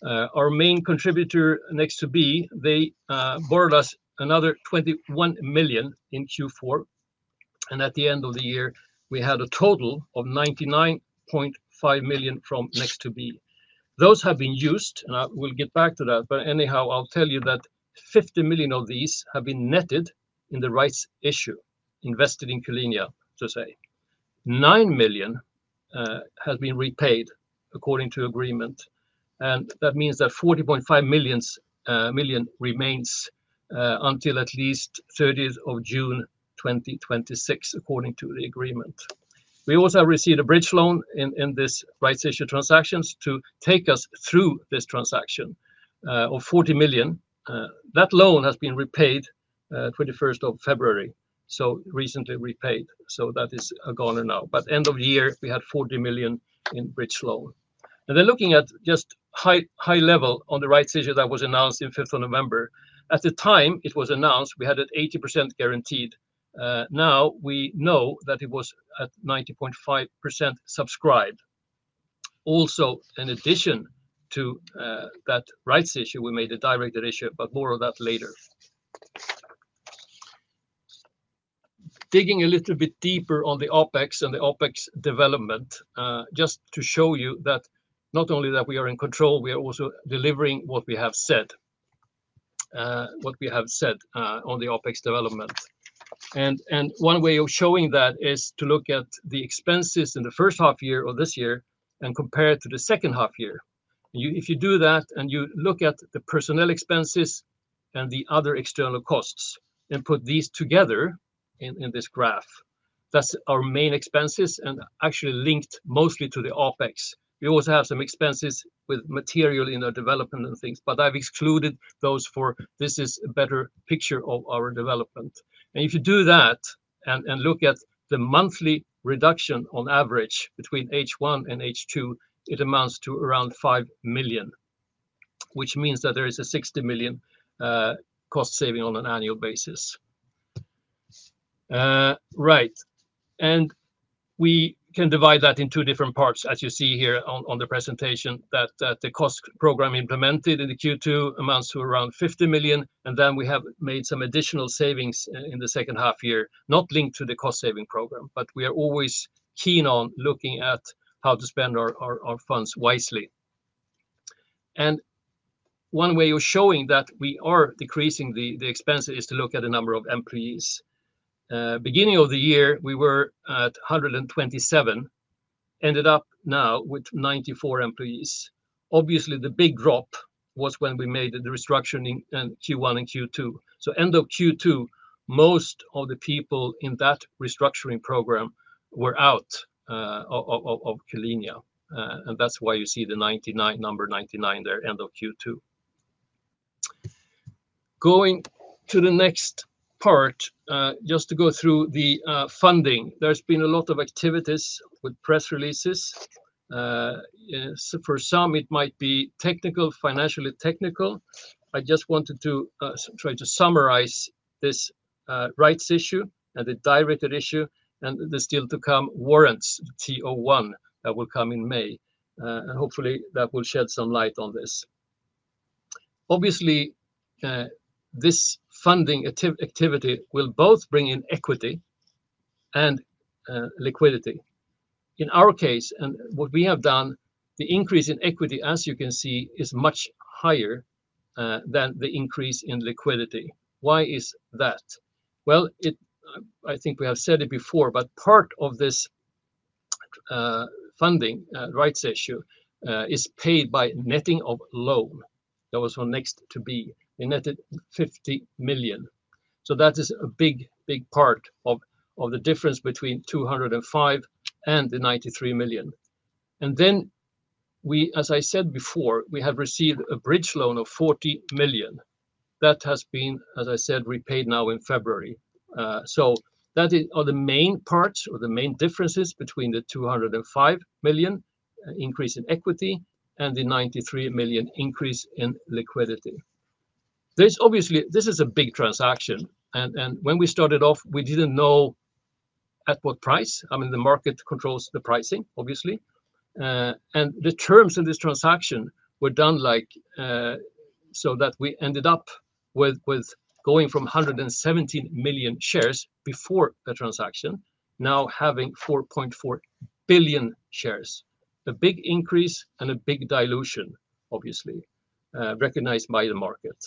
Our main contributor, Next2B, they borrowed us another 21 million in Q4. At the end of the year, we had a total of 99.5 million from Next2B. Those have been used, and I will get back to that. I'll tell you that 50 million of these have been netted in the rights issue, invested in Q-linea, to say. 9 million has been repaid according to agreement. That means that 40.5 million remains until at least 30th of June 2026, according to the agreement. We also have received a bridge loan in these rights issue transactions to take us through this transaction of 40 million. That loan has been repaid 21st of February, recently repaid. That is gone now. At end of year, we had 40 million in bridge loan. Looking at just high level on the rights issue that was announced on 5th of November, at the time it was announced, we had an 80% guaranteed. Now we know that it was at 90.5% subscribed. Also, in addition to that rights issue, we made a directed issue, but more of that later. Digging a little bit deeper on the OpEx and the OpEx development, just to show you that not only are we in control, we are also delivering what we have said, what we have said on the OpEx development. One way of showing that is to look at the expenses in the first half year of this year and compare it to the second half year. If you do that and you look at the personnel expenses and the other external costs and put these together in this graph, that's our main expenses and actually linked mostly to the OpEx. We also have some expenses with material in our development and things, but I've excluded those for this is a better picture of our development. If you do that and look at the monthly reduction on average between H1 and H2, it amounts to around 5 million, which means that there is a 60 million cost saving on an annual basis. Right. We can divide that in two different parts, as you see here on the presentation, that the cost program implemented in the Q2 amounts to around 50 million. We have made some additional savings in the second half year, not linked to the cost saving program, but we are always keen on looking at how to spend our funds wisely. One way of showing that we are decreasing the expenses is to look at the number of employees. Beginning of the year, we were at 127, ended up now with 94 employees. Obviously, the big drop was when we made the restructuring in Q1 and Q2. End of Q2, most of the people in that restructuring program were out of Q-linea. That is why you see the number 99 there end of Q2. Going to the next part, just to go through the funding, there has been a lot of activities with press releases. For some, it might be technical, financially technical. I just wanted to try to summarize this rights issue and the directed issue and the still to come warrants, T01, that will come in May. Hopefully, that will shed some light on this. Obviously, this funding activity will both bring in equity and liquidity. In our case, and what we have done, the increase in equity, as you can see, is much higher than the increase in liquidity. Why is that? I think we have said it before, but part of this funding rights issue is paid by netting of loan. That was on Next2B. We netted 50 million. That is a big, big part of the difference between 205 million and the 93 million. As I said before, we have received a bridge loan of 40 million. That has been, as I said, repaid now in February. That is the main part or the main differences between the 205 million increase in equity and the 93 million increase in liquidity. This is a big transaction. When we started off, we did not know at what price. I mean, the market controls the pricing, obviously. The terms in this transaction were done so that we ended up with going from 117 million shares before the transaction, now having 4.4 billion shares. A big increase and a big dilution, obviously, recognized by the market.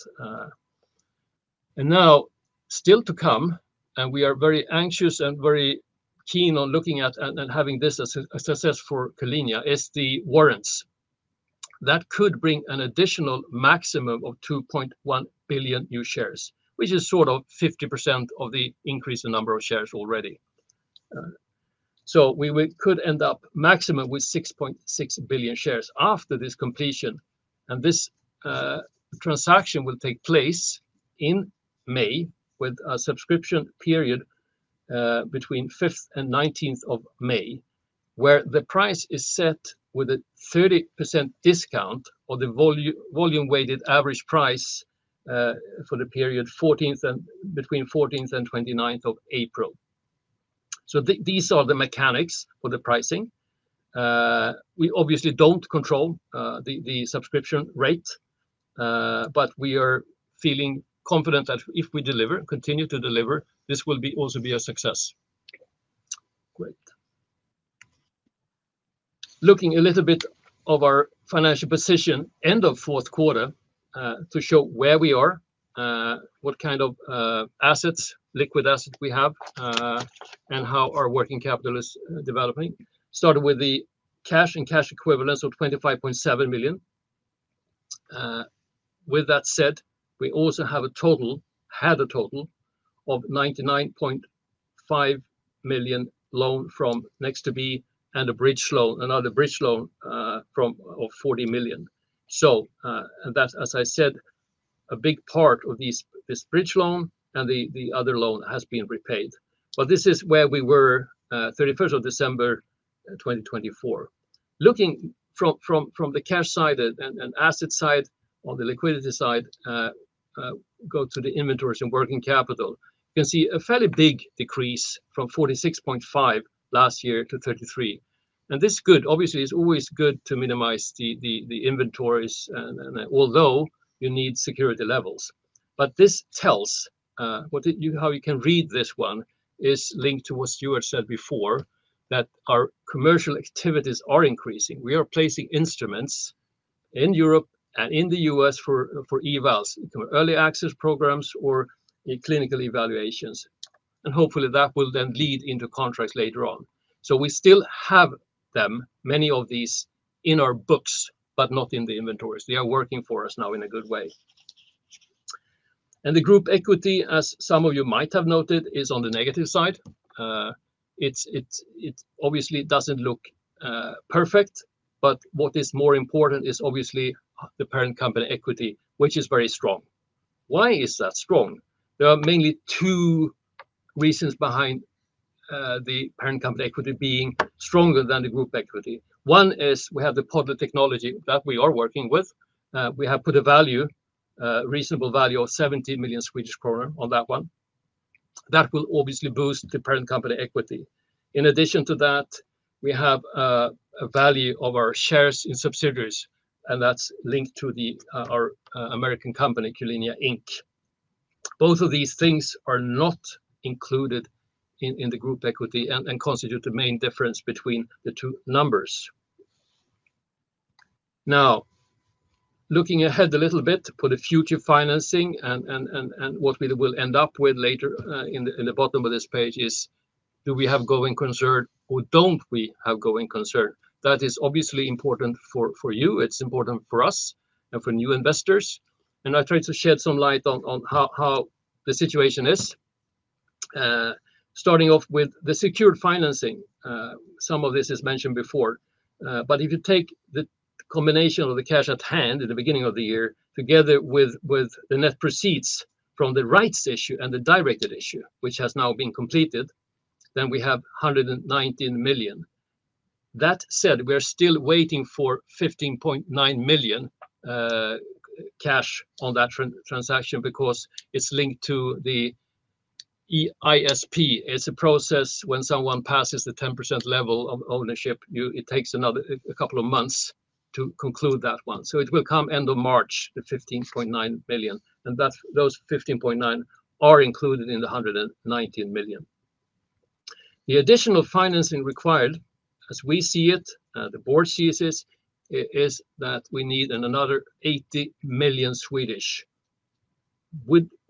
Now, still to come, and we are very anxious and very keen on looking at and having this as a success for Q-linea, is the warrants. That could bring an additional maximum of 2.1 billion new shares, which is sort of 50% of the increase in number of shares already. We could end up maximum with 6.6 billion shares after this completion. This transaction will take place in May with a subscription period between 5th and 19th of May, where the price is set with a 30% discount or the volume-weighted average price for the period between 14th and 29th of April. These are the mechanics for the pricing. We obviously do not control the subscription rate, but we are feeling confident that if we deliver, continue to deliver, this will also be a success. Great. Looking a little bit at our financial position end of fourth quarter to show where we are, what kind of assets, liquid assets we have, and how our working capital is developing. Started with the cash and cash equivalents of 25.7 million. With that said, we also have a total, had a total of 99.5 million loan from Nexttobe and a bridge loan, another bridge loan of 40 million. As I said, a big part of this bridge loan and the other loan has been repaid. This is where we were 31st of December 2024. Looking from the cash side and asset side on the liquidity side, go to the inventories and working capital, you can see a fairly big decrease from 46.5 million last year to 33 million. This is good. Obviously, it's always good to minimize the inventories, although you need security levels. How you can read this one is linked to what Stuart said before, that our commercial activities are increasing. We are placing instruments in Europe and in the U.S. for evals, early access programs or clinical evaluations. Hopefully, that will then lead into contracts later on. We still have them, many of these, in our books, but not in the inventories. They are working for us now in a good way. The group equity, as some of you might have noted, is on the negative side. It obviously does not look perfect, but what is more important is the parent company equity, which is very strong. Why is that strong? There are mainly two reasons behind the parent company equity being stronger than the group equity. One is we have the Podlet technology that we are working with. We have put a reasonable value of 70 million Swedish kronor on that one. That will obviously boost the parent company equity. In addition to that, we have a value of our shares in subsidiaries, and that is linked to our American company, Q-linea Inc. Both of these things are not included in the group equity and constitute the main difference between the two numbers. Now, looking ahead a little bit for the future financing and what we will end up with later in the bottom of this page is, do we have going concern or do not we have going concern? That is obviously important for you. It is important for us and for new investors. I tried to shed some light on how the situation is. Starting off with the secured financing, some of this is mentioned before. If you take the combination of the cash at hand in the beginning of the year together with the net proceeds from the rights issue and the directed issue, which has now been completed, then we have 119 million. That said, we are still waiting for 15.9 million cash on that transaction because it's linked to the ISP. It's a process when someone passes the 10% level of ownership, it takes a couple of months to conclude that one. It will come end of March, the 15.9 million. Those 15.9 million are included in the 119 million. The additional financing required, as we see it, the board sees it, is that we need another 80 million.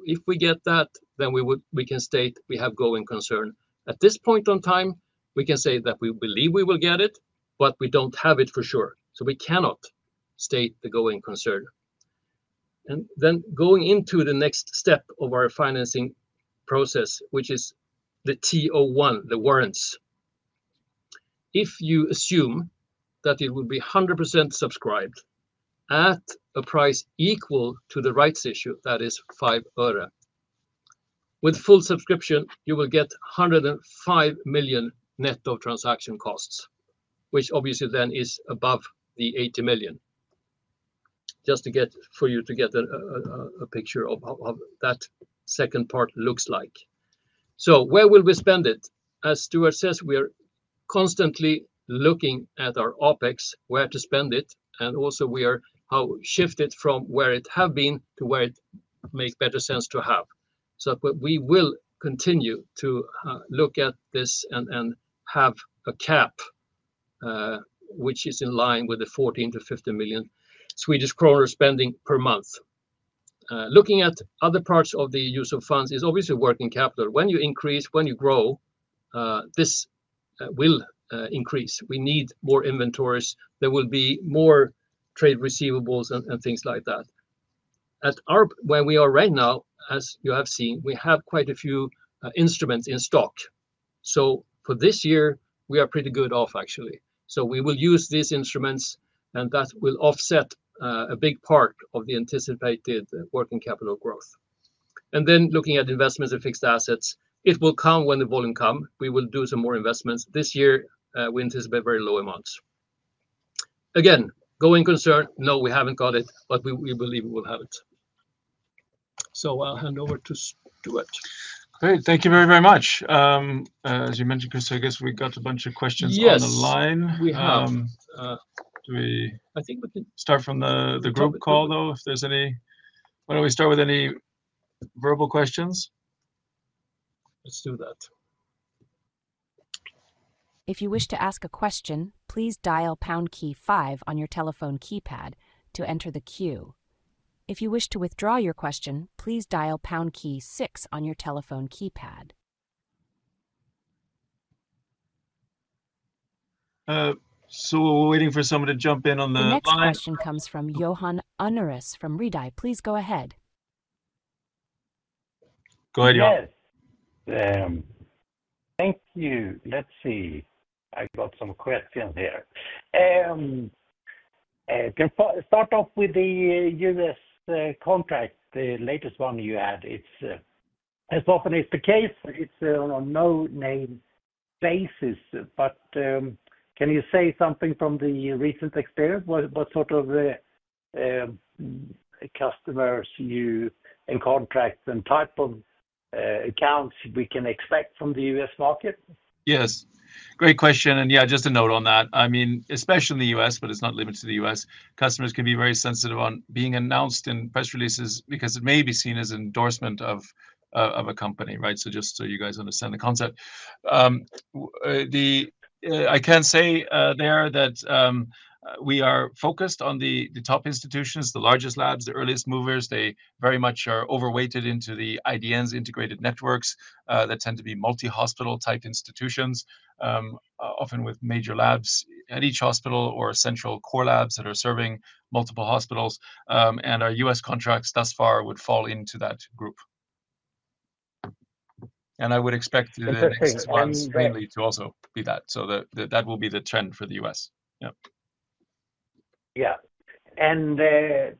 If we get that, then we can state we have going concern. At this point in time, we can say that we believe we will get it, but we don't have it for sure. We cannot state the going concern. Going into the next step of our financing process, which is the T01, the warrants. If you assume that it would be 100% subscribed at a price equal to the rights issue, that is SEK 5. With full subscription, you will get 105 million net of transaction costs, which obviously then is above the 80 million. Just for you to get a picture of what that second part looks like. Where will we spend it? As Stuart says, we are constantly looking at our OpEx, where to spend it, and also how to shift it from where it has been to where it makes better sense to have. We will continue to look at this and have a cap, which is in line with the 14 million Swedish kronor - SEK 15 milion spending per month. Looking at other parts of the use of funds is obviously working capital. When you increase, when you grow, this will increase. We need more inventories. There will be more trade receivables and things like that. At where we are right now, as you have seen, we have quite a few instruments in stock. For this year, we are pretty good off, actually. We will use these instruments, and that will offset a big part of the anticipated working capital growth. Looking at investments and fixed assets, it will come when the volume comes. We will do some more investments. This year, we anticipate very low amounts. Again, going concern, no, we haven't got it, but we believe we will have it. I'll hand over to Stuart. Great. Thank you very, very much. As you mentioned, Chris, I guess we got a bunch of questions on the line. Yes, we have. Do we start from the group call, though, if there's any? Why don't we start with any verbal questions? Let's do that. If you wish to ask a question, please dial pound key five on your telephone keypad to enter the queue. If you wish to withdraw your question, please dial pound key six on your telephone keypad. We're waiting for someone to jump in on the line. The next question comes from Johan Unnérus from Redeye. Please go ahead. Go ahead, Johan. Yes. Thank you. Let's see. I got some questions here. Start off with the U.S. contract, the latest one you had. As often as the case, it's on a no-name basis. Can you say something from the recent experience? What sort of customers, and contracts, and type of accounts we can expect from the U.S. market? Yes. Great question. Yeah, just a note on that. I mean, especially in the U.S., but it's not limited to the U.S., customers can be very sensitive on being announced in press releases because it may be seen as endorsement of a company, right? Just so you guys understand the concept. I can say there that we are focused on the top institutions, the largest labs, the earliest movers. They very much are overweighted into the IDNs, integrated networks that tend to be multi-hospital type institutions, often with major labs at each hospital or central core labs that are serving multiple hospitals. Our U.S. contracts thus far would fall into that group. I would expect the next one mainly to also be that. That will be the trend for the U.S. Yeah. Yeah.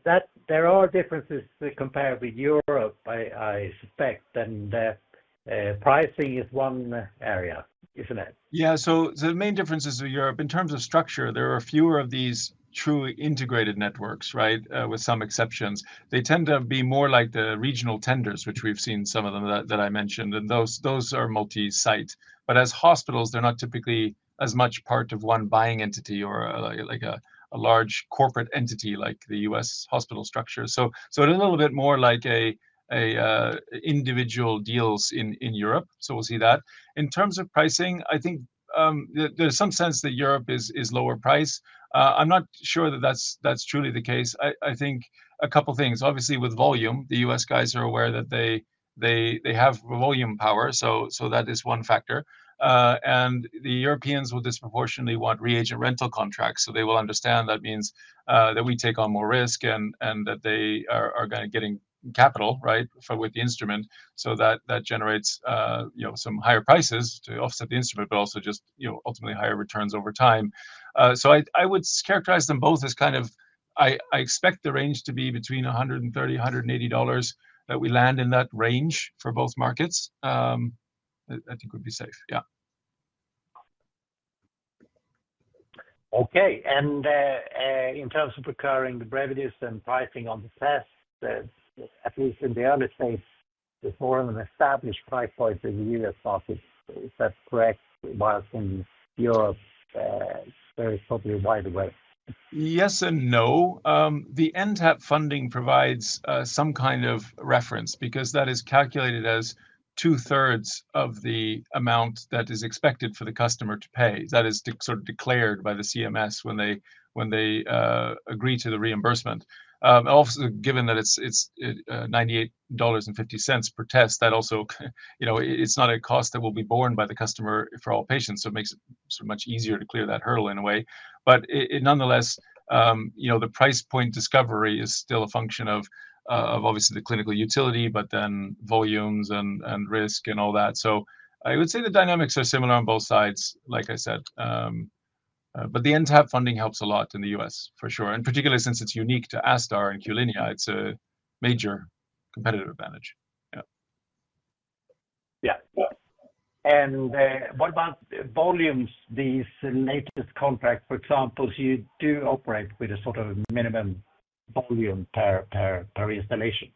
There are differences compared with Europe, I suspect. Pricing is one area, isn't it? Yeah. The main differences are Europe. In terms of structure, there are fewer of these true integrated networks, right, with some exceptions. They tend to be more like the regional tenders, which we've seen some of them that I mentioned. Those are multi-site. As hospitals, they're not typically as much part of one buying entity or a large corporate entity like the U.S. hospital structure. It is a little bit more like individual deals in Europe. We will see that. In terms of pricing, I think there's some sense that Europe is lower price. I'm not sure that that's truly the case. I think a couple of things. Obviously, with volume, the U.S. guys are aware that they have volume power. That is one factor. The Europeans will disproportionately want reagent rental contracts. They will understand that means that we take on more risk and that they are getting capital, right, with the instrument. That generates some higher prices to offset the instrument, but also just ultimately higher returns over time. I would characterize them both as kind of I expect the range to be between $130 - $180 that we land in that range for both markets. I think it would be safe. Yeah. Okay. In terms of recurring brevities and pricing on the test, at least in the early phase, the foreign established price points in the U.S. market, is that correct? While in Europe, very popular wide awareness. Yes and no. The end cap funding provides some kind of reference because that is calculated as two-thirds of the amount that is expected for the customer to pay. That is sort of declared by the CMS when they agree to the reimbursement. Also, given that it's $98.50 per test, that also it's not a cost that will be borne by the customer for all patients. It makes it much easier to clear that hurdle in a way. Nonetheless, the price point discovery is still a function of obviously the clinical utility, but then volumes and risk and all that. I would say the dynamics are similar on both sides, like I said. The end cap funding helps a lot in the U.S., for sure. Particularly since it's unique to ASTAR and Q-linea, it's a major competitive advantage. Yeah. Yeah. What about volumes, these latest contracts, for example, you do operate with a sort of minimum volume per installation.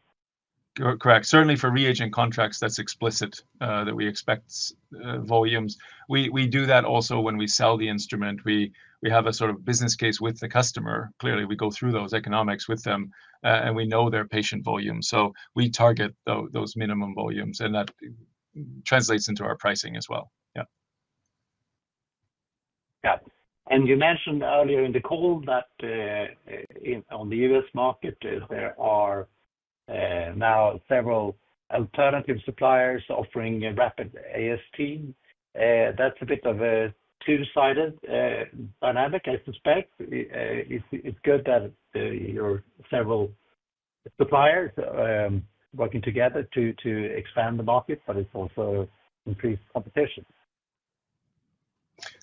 Correct. Certainly for reagent contracts, that's explicit that we expect volumes. We do that also when we sell the instrument. We have a sort of business case with the customer. Clearly, we go through those economics with them, and we know their patient volumes. So we target those minimum volumes, and that translates into our pricing as well. Yeah. Yeah. You mentioned earlier in the call that on the U.S. market, there are now several alternative suppliers offering rapid AST. That's a bit of a two-sided dynamic, I suspect. It's good that your several suppliers are working together to expand the market, but it's also increased competition.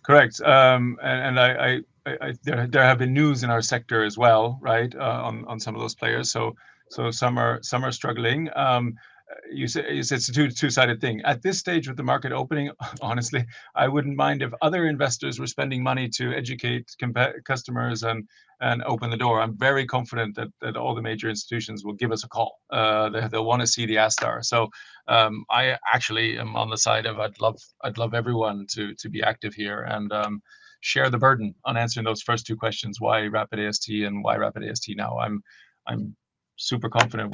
Correct. There have been news in our sector as well, right, on some of those players. Some are struggling. You said it's a two-sided thing. At this stage with the market opening, honestly, I wouldn't mind if other investors were spending money to educate customers and open the door. I'm very confident that all the major institutions will give us a call. They'll want to see the ASTAR. I actually am on the side of I'd love everyone to be active here and share the burden on answering those first two questions, why rapid AST and why rapid AST now. I'm super confident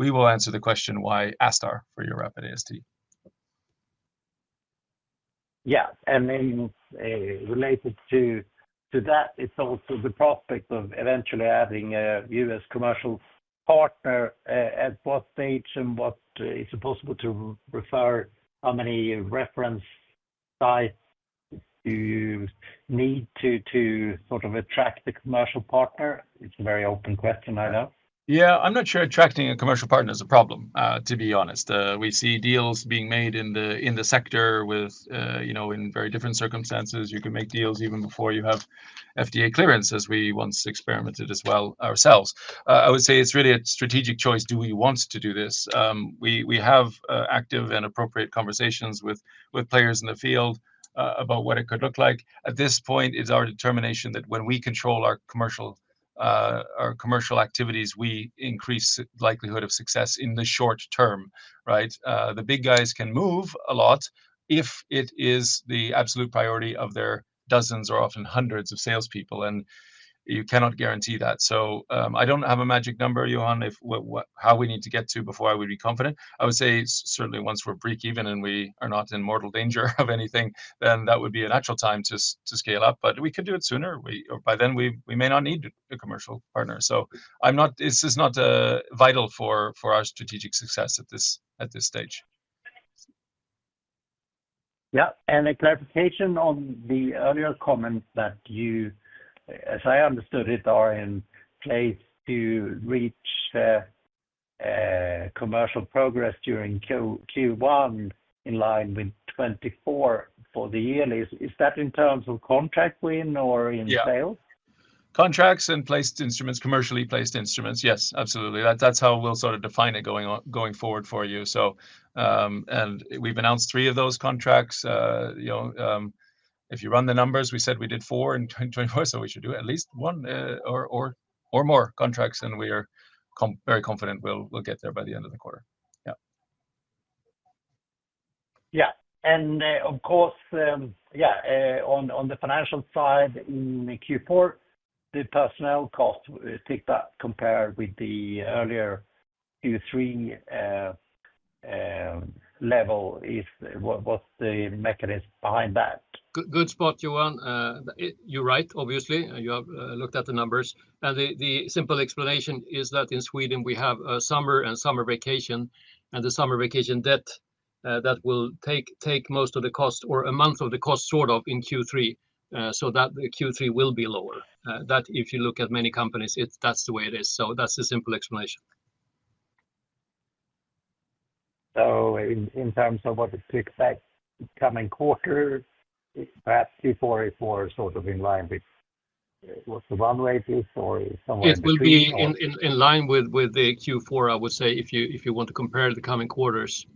we will answer the question, why ASTAR for your rapid AST. Yeah. Related to that, it's also the prospect of eventually having a U.S. commercial partner at what stage and what is it possible to refer how many reference sites do you need to sort of attract the commercial partner? It's a very open question, I know. Yeah. I'm not sure attracting a commercial partner is a problem, to be honest. We see deals being made in the sector in very different circumstances. You can make deals even before you have FDA clearances, we once experimented as well ourselves. I would say it's really a strategic choice. Do we want to do this? We have active and appropriate conversations with players in the field about what it could look like. At this point, it's our determination that when we control our commercial activities, we increase the likelihood of success in the short term, right? The big guys can move a lot if it is the absolute priority of their dozens or often hundreds of salespeople. You cannot guarantee that. I don't have a magic number, Johan, of how we need to get to before I would be confident. I would say certainly once we're breakeven and we are not in mortal danger of anything, then that would be a natural time to scale up. We could do it sooner. By then, we may not need a commercial partner. This is not vital for our strategic success at this stage. Yeah. A clarification on the earlier comments that you, as I understood it, are in place to reach commercial progress during Q1 in line with 2024 for the yearly. Is that in terms of contract win or in sales? Yeah. Contracts and placed instruments, commercially placed instruments. Yes, absolutely. That's how we'll sort of define it going forward for you. We've announced three of those contracts. If you run the numbers, we said we did four in 2024. We should do at least one or more contracts. We are very confident we'll get there by the end of the quarter. Yeah. Yeah. Of course, yeah, on the financial side in Q4, the personnel cost, take that compared with the earlier Q3 level, what's the mechanism behind that? Good spot, Johan. You're right, obviously. You have looked at the numbers. The simple explanation is that in Sweden, we have a summer and summer vacation, and the summer vacation debt that will take most of the cost or a month of the cost sort of in Q3 so that Q3 will be lower. If you look at many companies, that's the way it is. That's the simple explanation. In terms of what to expect coming quarter, perhaps Q4 is more sort of in line with what the run rate is or somewhere in between? It will be in line with the Q4, I would say, if you want to compare the coming quarters.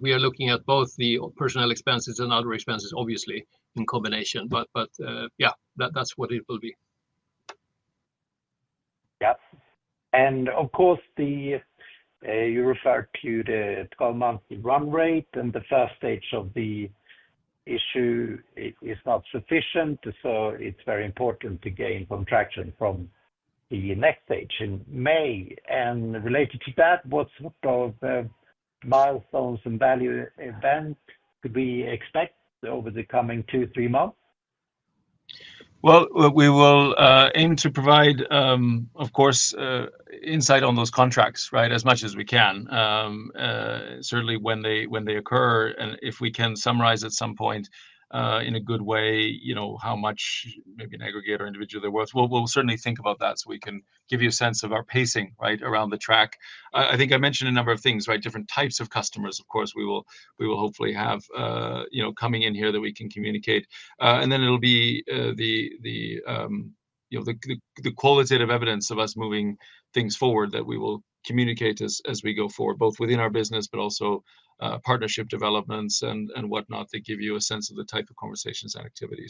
We are looking at both the personnel expenses and other expenses, obviously, in combination. Yeah, that's what it will be. Of course, you refer to the 12-month run rate, and the first stage of the issue is not sufficient. It is very important to gain contraction from the next stage in May. Related to that, what sort of milestones and value events could we expect over the coming two, three months? We will aim to provide, of course, insight on those contracts, right, as much as we can, certainly when they occur. If we can summarize at some point in a good way how much, maybe an aggregator, individual, they are worth, we will certainly think about that so we can give you a sense of our pacing, right, around the track. I think I mentioned a number of things, right? Different types of customers, of course, we will hopefully have coming in here that we can communicate. It will be the qualitative evidence of us moving things forward that we will communicate as we go forward, both within our business, but also partnership developments and whatnot that give you a sense of the type of conversations and activity.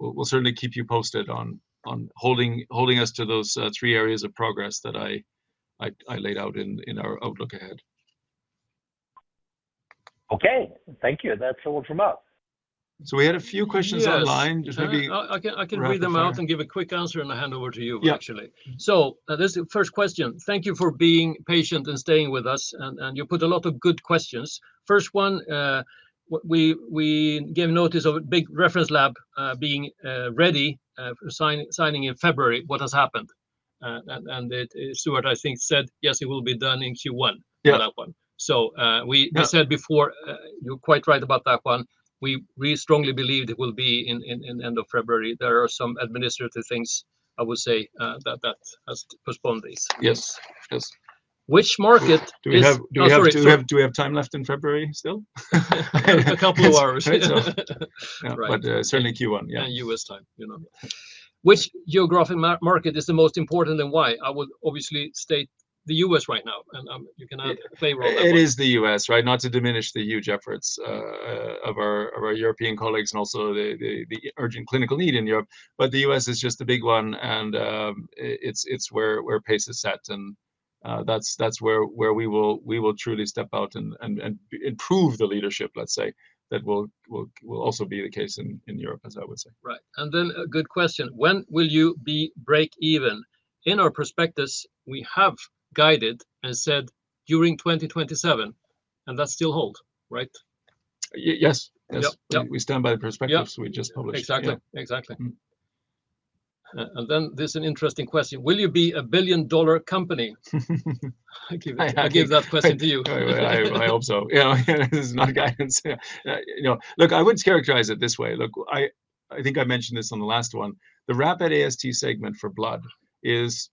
We will certainly keep you posted on holding us to those three areas of progress that I laid out in our outlook ahead. Okay. Thank you. That is all from us. We had a few questions online. I can read them out and give a quick answer and I will hand over to you, actually. This is the first question. Thank you for being patient and staying with us. You put a lot of good questions. First one, we gave notice of a big reference lab being ready, signing in February. What has happened? Stuart, I think, said, yes, it will be done in Q1 for that one. We said before, you're quite right about that one. We strongly believe it will be in the end of February. There are some administrative things, I would say, that has postponed this. Yes. Yes. Which market? Do we have time left in February still? A couple of hours. Certainly Q1, yeah. U.S. time. Which geographic market is the most important and why? I would obviously state the U.S. right now. You can play around that. It is the U.S., right? Not to diminish the huge efforts of our European colleagues and also the urgent clinical need in Europe. The U.S. is just the big one. It is where pace is set. That is where we will truly step out and prove the leadership, let's say, that will also be the case in Europe, as I would say. Right. A good question. When will you be breakeven? In our perspectives, we have guided and said during 2027, and that still holds, right? Yes. Yes. We stand by the perspectives we just published. Exactly. Exactly. This is an interesting question. Will you be a billion-dollar company? I give that question to you. I hope so. This is not guidance. Look, I wouldn't characterize it this way. Look, I think I mentioned this on the last one. The rapid AST segment for blood is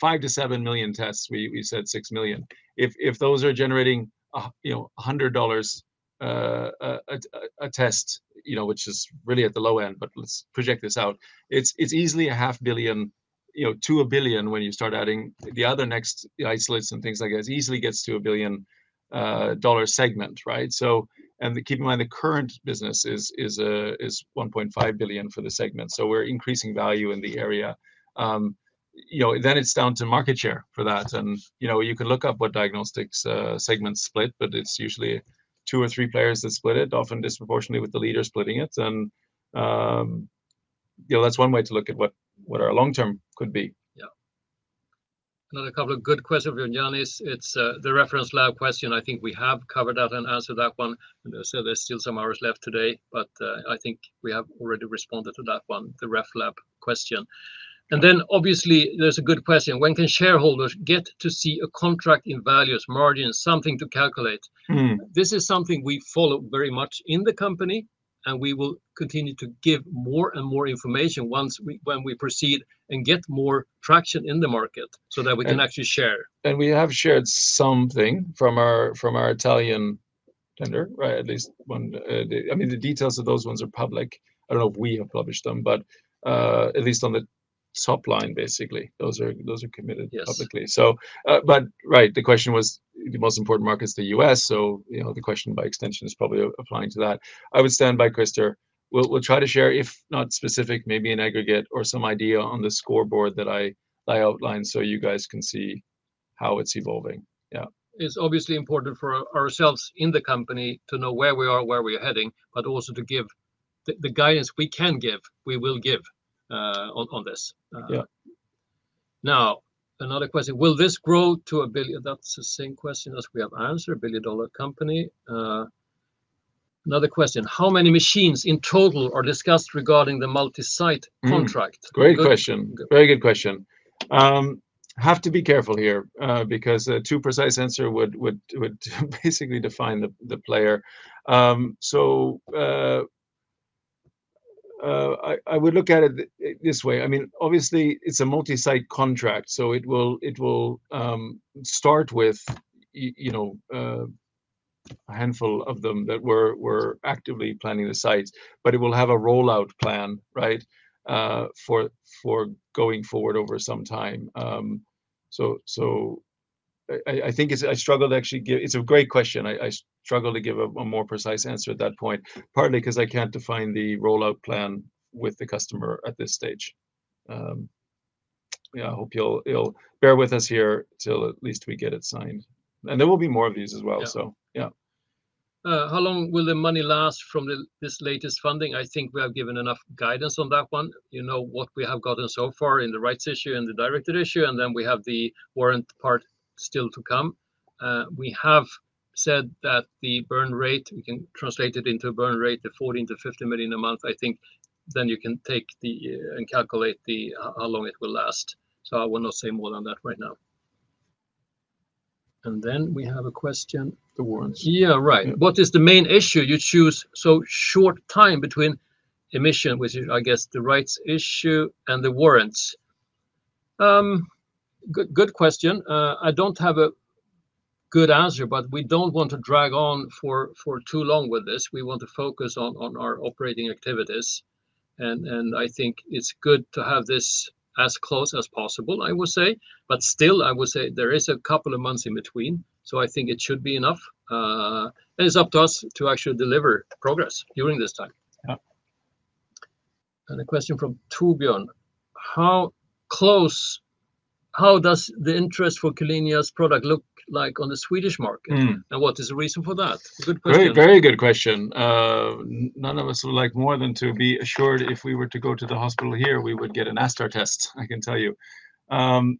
five to seven million tests. We said six million. If those are generating $100 a test, which is really at the low end, but let's project this out, it's easily half billion to a billion when you start adding the other next isolates and things like that. It easily gets to a billion-dollar segment, right? Keep in mind, the current business is $1.5 billion for the segment. We are increasing value in the area. It is down to market share for that. You can look up what diagnostics segments split, but it's usually two or three players that split it, often disproportionately with the leader splitting it. That is one way to look at what our long-term could be. Yeah. Another couple of good questions from Yanis. It's the reference lab question. I think we have covered that and answered that one. There are still some hours left today, but I think we have already responded to that one, the ref lab question. Obviously, there is a good question. When can shareholders get to see a contract in values, margins, something to calculate? This is something we follow very much in the company, and we will continue to give more and more information when we proceed and get more traction in the market so that we can actually share. We have shared something from our Italian tender, right? At least one. I mean, the details of those ones are public. I do not know if we have published them, but at least on the top line, basically, those are committed publicly. The question was the most important market is the U.S. The question by extension is probably applying to that. I would stand by, Christer. We'll try to share, if not specific, maybe an aggregate or some idea on the scoreboard that I outline so you guys can see how it's evolving. Yeah. It's obviously important for ourselves in the company to know where we are, where we're heading, but also to give the guidance we can give, we will give on this. Now, another question. Will this grow to a billion? That's the same question as we have answered, a billion-dollar company. Another question. How many machines in total are discussed regarding the multi-site contract? Great question. Very good question. Have to be careful here because a too precise answer would basically define the player. So I would look at it this way. I mean, obviously, it's a multi-site contract, so it will start with a handful of them that were actively planning the sites, but it will have a rollout plan, right, for going forward over some time. I think I struggled to actually give—it's a great question—I struggled to give a more precise answer at that point, partly because I can't define the rollout plan with the customer at this stage. Yeah. I hope you'll bear with us here till at least we get it signed. There will be more of these as well, so yeah. How long will the money last from this latest funding? I think we have given enough guidance on that one. You know what we have gotten so far in the rights issue and the directed issue, and then we have the warrant part still to come. We have said that the burn rate, we can translate it into a burn rate of 40 million - 50 million a month, I think. You can take and calculate how long it will last. I will not say more than that right now. We have a question. The warrants. Yeah, right. What is the main issue you choose? Short time between emission, which is, I guess, the rights issue and the warrants. Good question. I do not have a good answer, but we do not want to drag on for too long with this. We want to focus on our operating activities. I think it is good to have this as close as possible, I would say. Still, I would say there is a couple of months in between. I think it should be enough. It's up to us to actually deliver progress during this time. A question from Tubion: How close? How does the interest for Q-linea's product look like on the Swedish market? What is the reason for that? Good question. Very good question. None of us would like more than to be assured if we were to go to the hospital here, we would get an ASTAR test, I can tell you. Why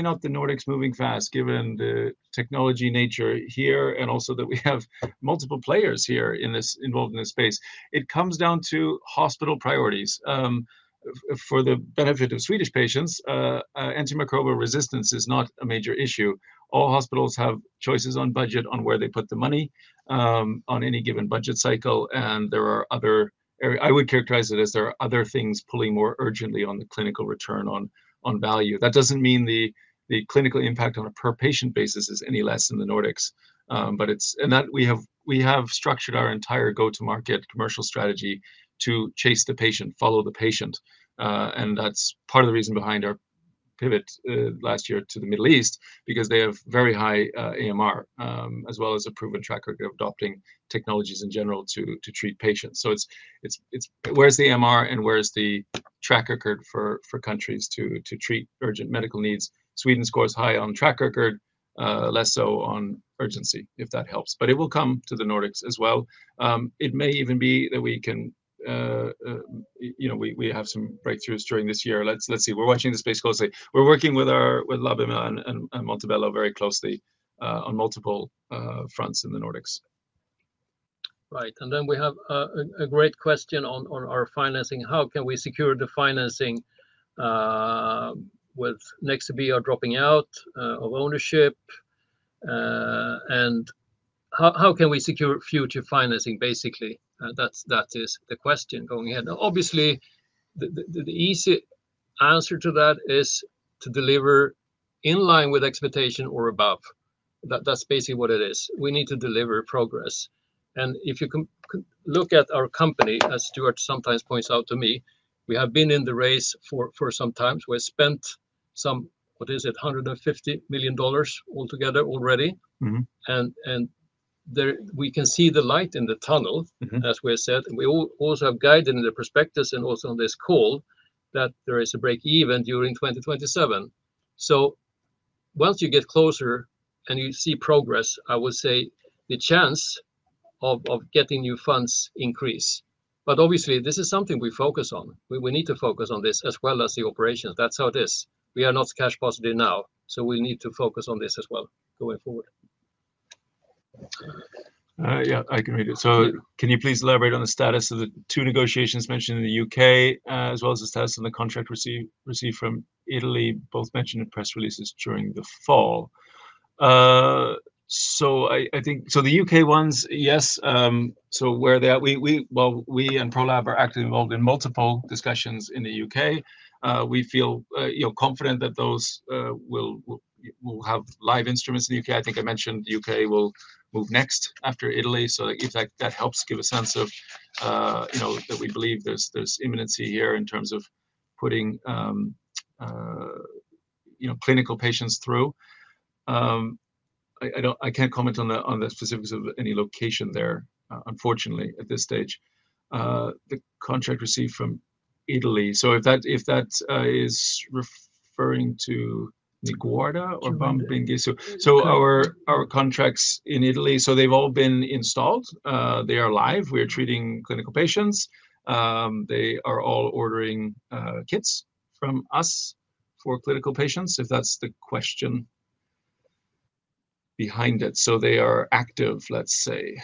not the Nordics moving fast, given the technology nature here and also that we have multiple players here involved in this space? It comes down to hospital priorities. For the benefit of Swedish patients, antimicrobial resistance is not a major issue. All hospitals have choices on budget on where they put the money on any given budget cycle. There are other areas I would characterize it as there are other things pulling more urgently on the clinical return on value. That does not mean the clinical impact on a per-patient basis is any less than the Nordics. We have structured our entire go-to-market commercial strategy to chase the patient, follow the patient. That is part of the reason behind our pivot last year to the Middle East because they have very high AMR, as well as a proven track record of adopting technologies in general to treat patients. Where is the AMR and where is the track record for countries to treat urgent medical needs? Sweden scores high on track record, less so on urgency, if that helps. It will come to the Nordics as well. It may even be that we have some breakthroughs during this year. Let's see. We're watching this space closely. We're working with Labema and Montebello very closely on multiple fronts in the Nordics. Right. We have a great question on our financing. How can we secure the financing with Nexttobe dropping out of ownership? How can we secure future financing, basically? That is the question going ahead. Obviously, the easy answer to that is to deliver in line with expectation or above. That's basically what it is. We need to deliver progress. If you look at our company, as Stuart sometimes points out to me, we have been in the race for some time. We've spent some, what is it, $150 million altogether already. We can see the light in the tunnel, as we have said. We also have guided in the perspectives and also on this call that there is a breakeven during 2027. Once you get closer and you see progress, I would say the chance of getting new funds increase. Obviously, this is something we focus on. We need to focus on this as well as the operations. That's how it is. We are not cash positive now. We need to focus on this as well going forward. Yeah, I can read it. Can you please elaborate on the status of the two negotiations mentioned in the U.K., as well as the status of the contract received from Italy? Both mentioned in press releases during the fall. The U.K. ones, yes. Where they are, we and Prolab are actively involved in multiple discussions in the U.K. We feel confident that those will have live instruments in the U.K. I think I mentioned the U.K. will move next after Italy. If that helps give a sense of that, we believe there's imminency here in terms of putting clinical patients through. I can't comment on the specifics of any location there, unfortunately, at this stage. The contract received from Italy. If that is referring to Niguarda or Bambinghi. Our contracts in Italy, they've all been installed. They are live. We are treating clinical patients. They are all ordering kits from us for clinical patients, if that's the question behind it. They are active, let's say.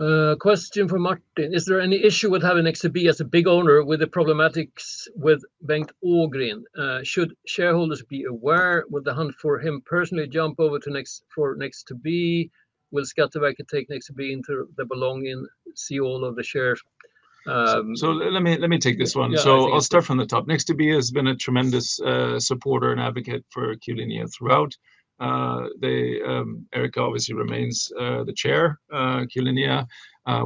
Yeah. Question from Martin. Is there any issue with having Nexabear as a big owner with the problematics with Bank Aughreen? Should shareholders be aware with the hunt for him personally jump over to Nexttobe? Will Skatteverket take Nexabear into the belonging, see all of the shares? Let me take this one. I'll start from the top. Nexttobe has been a tremendous supporter and advocate for Q-linea throughout. Erika obviously remains the chair, Q-linea.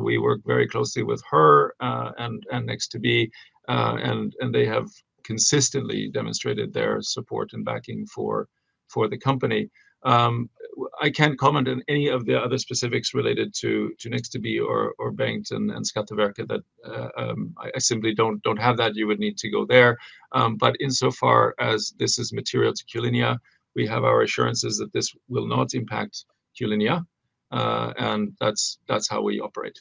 We work very closely with her and Nexttobe. They have consistently demonstrated their support and backing for the company. I can't comment on any of the other specifics related to Nexttobe or bank and Skatteverket that I simply don't have that. You would need to go there. Insofar as this is material to Q-linea, we have our assurances that this will not impact Q-linea. That's how we operate.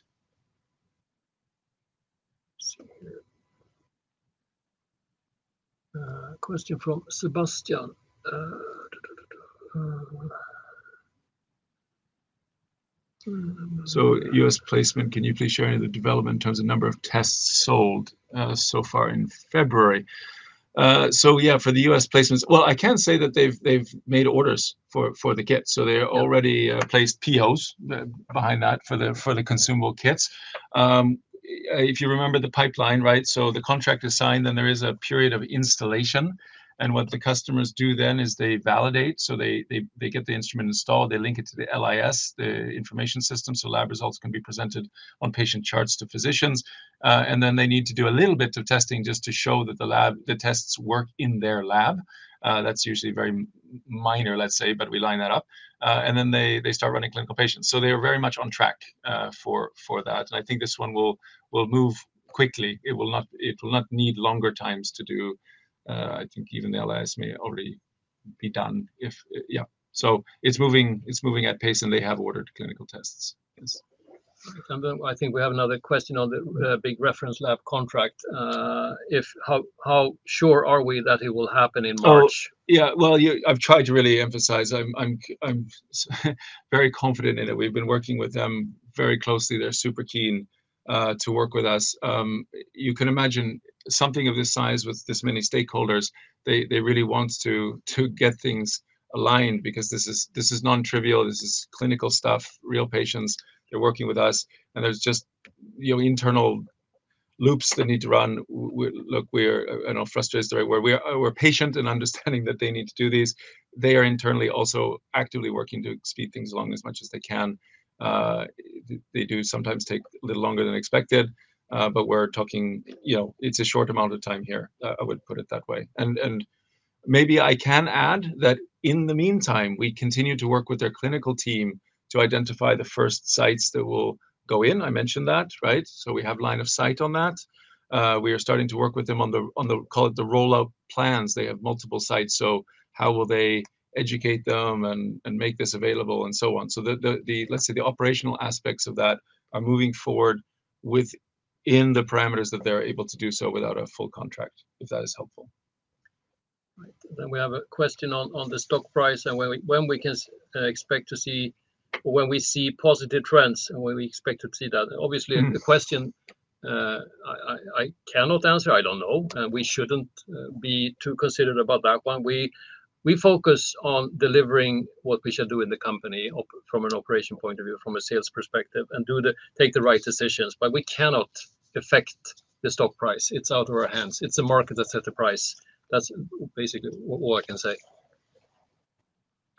Question from Sebastian. U.S. placement, can you please share the development terms of number of tests sold so far in February? For the U.S. placements, I can say that they've made orders for the kits. They already placed POs behind that for the consumable kits. If you remember the pipeline, right? The contract is signed, then there is a period of installation. What the customers do then is they validate. They get the instrument installed. They link it to the LIS, the information system, so lab results can be presented on patient charts to physicians. Then they need to do a little bit of testing just to show that the tests work in their lab. That is usually very minor, let's say, but we line that up. They start running clinical patients. They are very much on track for that. I think this one will move quickly. It will not need longer times to do. I think even the LIS may already be done. Yeah, it is moving at pace, and they have ordered clinical tests. I think we have another question on the big reference lab contract. How sure are we that it will happen in March? Yeah. I have tried to really emphasize I am very confident in it. We have been working with them very closely. They are super keen to work with us. You can imagine something of this size with this many stakeholders, they really want to get things aligned because this is non-trivial. This is clinical stuff, real patients. They are working with us. There are just internal loops that need to run. Look, we are frustrated straight away. We are patient and understanding that they need to do these. They are internally also actively working to speed things along as much as they can. They do sometimes take a little longer than expected, but we are talking it is a short amount of time here. I would put it that way. Maybe I can add that in the meantime, we continue to work with their clinical team to identify the first sites that will go in. I mentioned that, right? We have line of sight on that. We are starting to work with them on the, call it the rollout plans. They have multiple sites. How will they educate them and make this available and so on? Let's say the operational aspects of that are moving forward within the parameters that they're able to do so without a full contract, if that is helpful. We have a question on the stock price and when we can expect to see or when we see positive trends and when we expect to see that. Obviously, the question I cannot answer, I don't know. We shouldn't be too considerate about that one. We focus on delivering what we should do in the company from an operation point of view, from a sales perspective, and take the right decisions. We cannot affect the stock price. It's out of our hands. It's the market that sets the price. That's basically all I can say.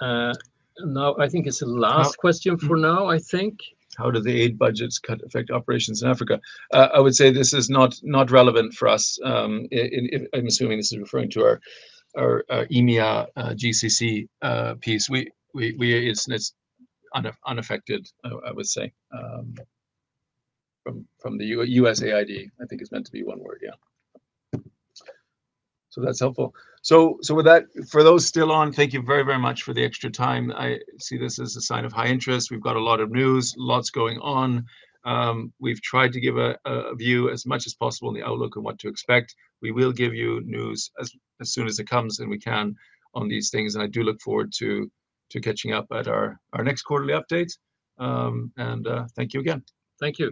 I think it's the last question for now, I think. How do the aid budgets affect operations in Africa? I would say this is not relevant for us. I'm assuming this is referring to our EMEA GCC piece. It's unaffected, I would say, from the USAID. I think it's meant to be one word, yeah. That's helpful. For those still on, thank you very, very much for the extra time. I see this as a sign of high interest. We've got a lot of news, lots going on. We've tried to give a view as much as possible on the outlook and what to expect. We will give you news as soon as it comes and we can on these things. I do look forward to catching up at our next quarterly update. Thank you again. Thank you.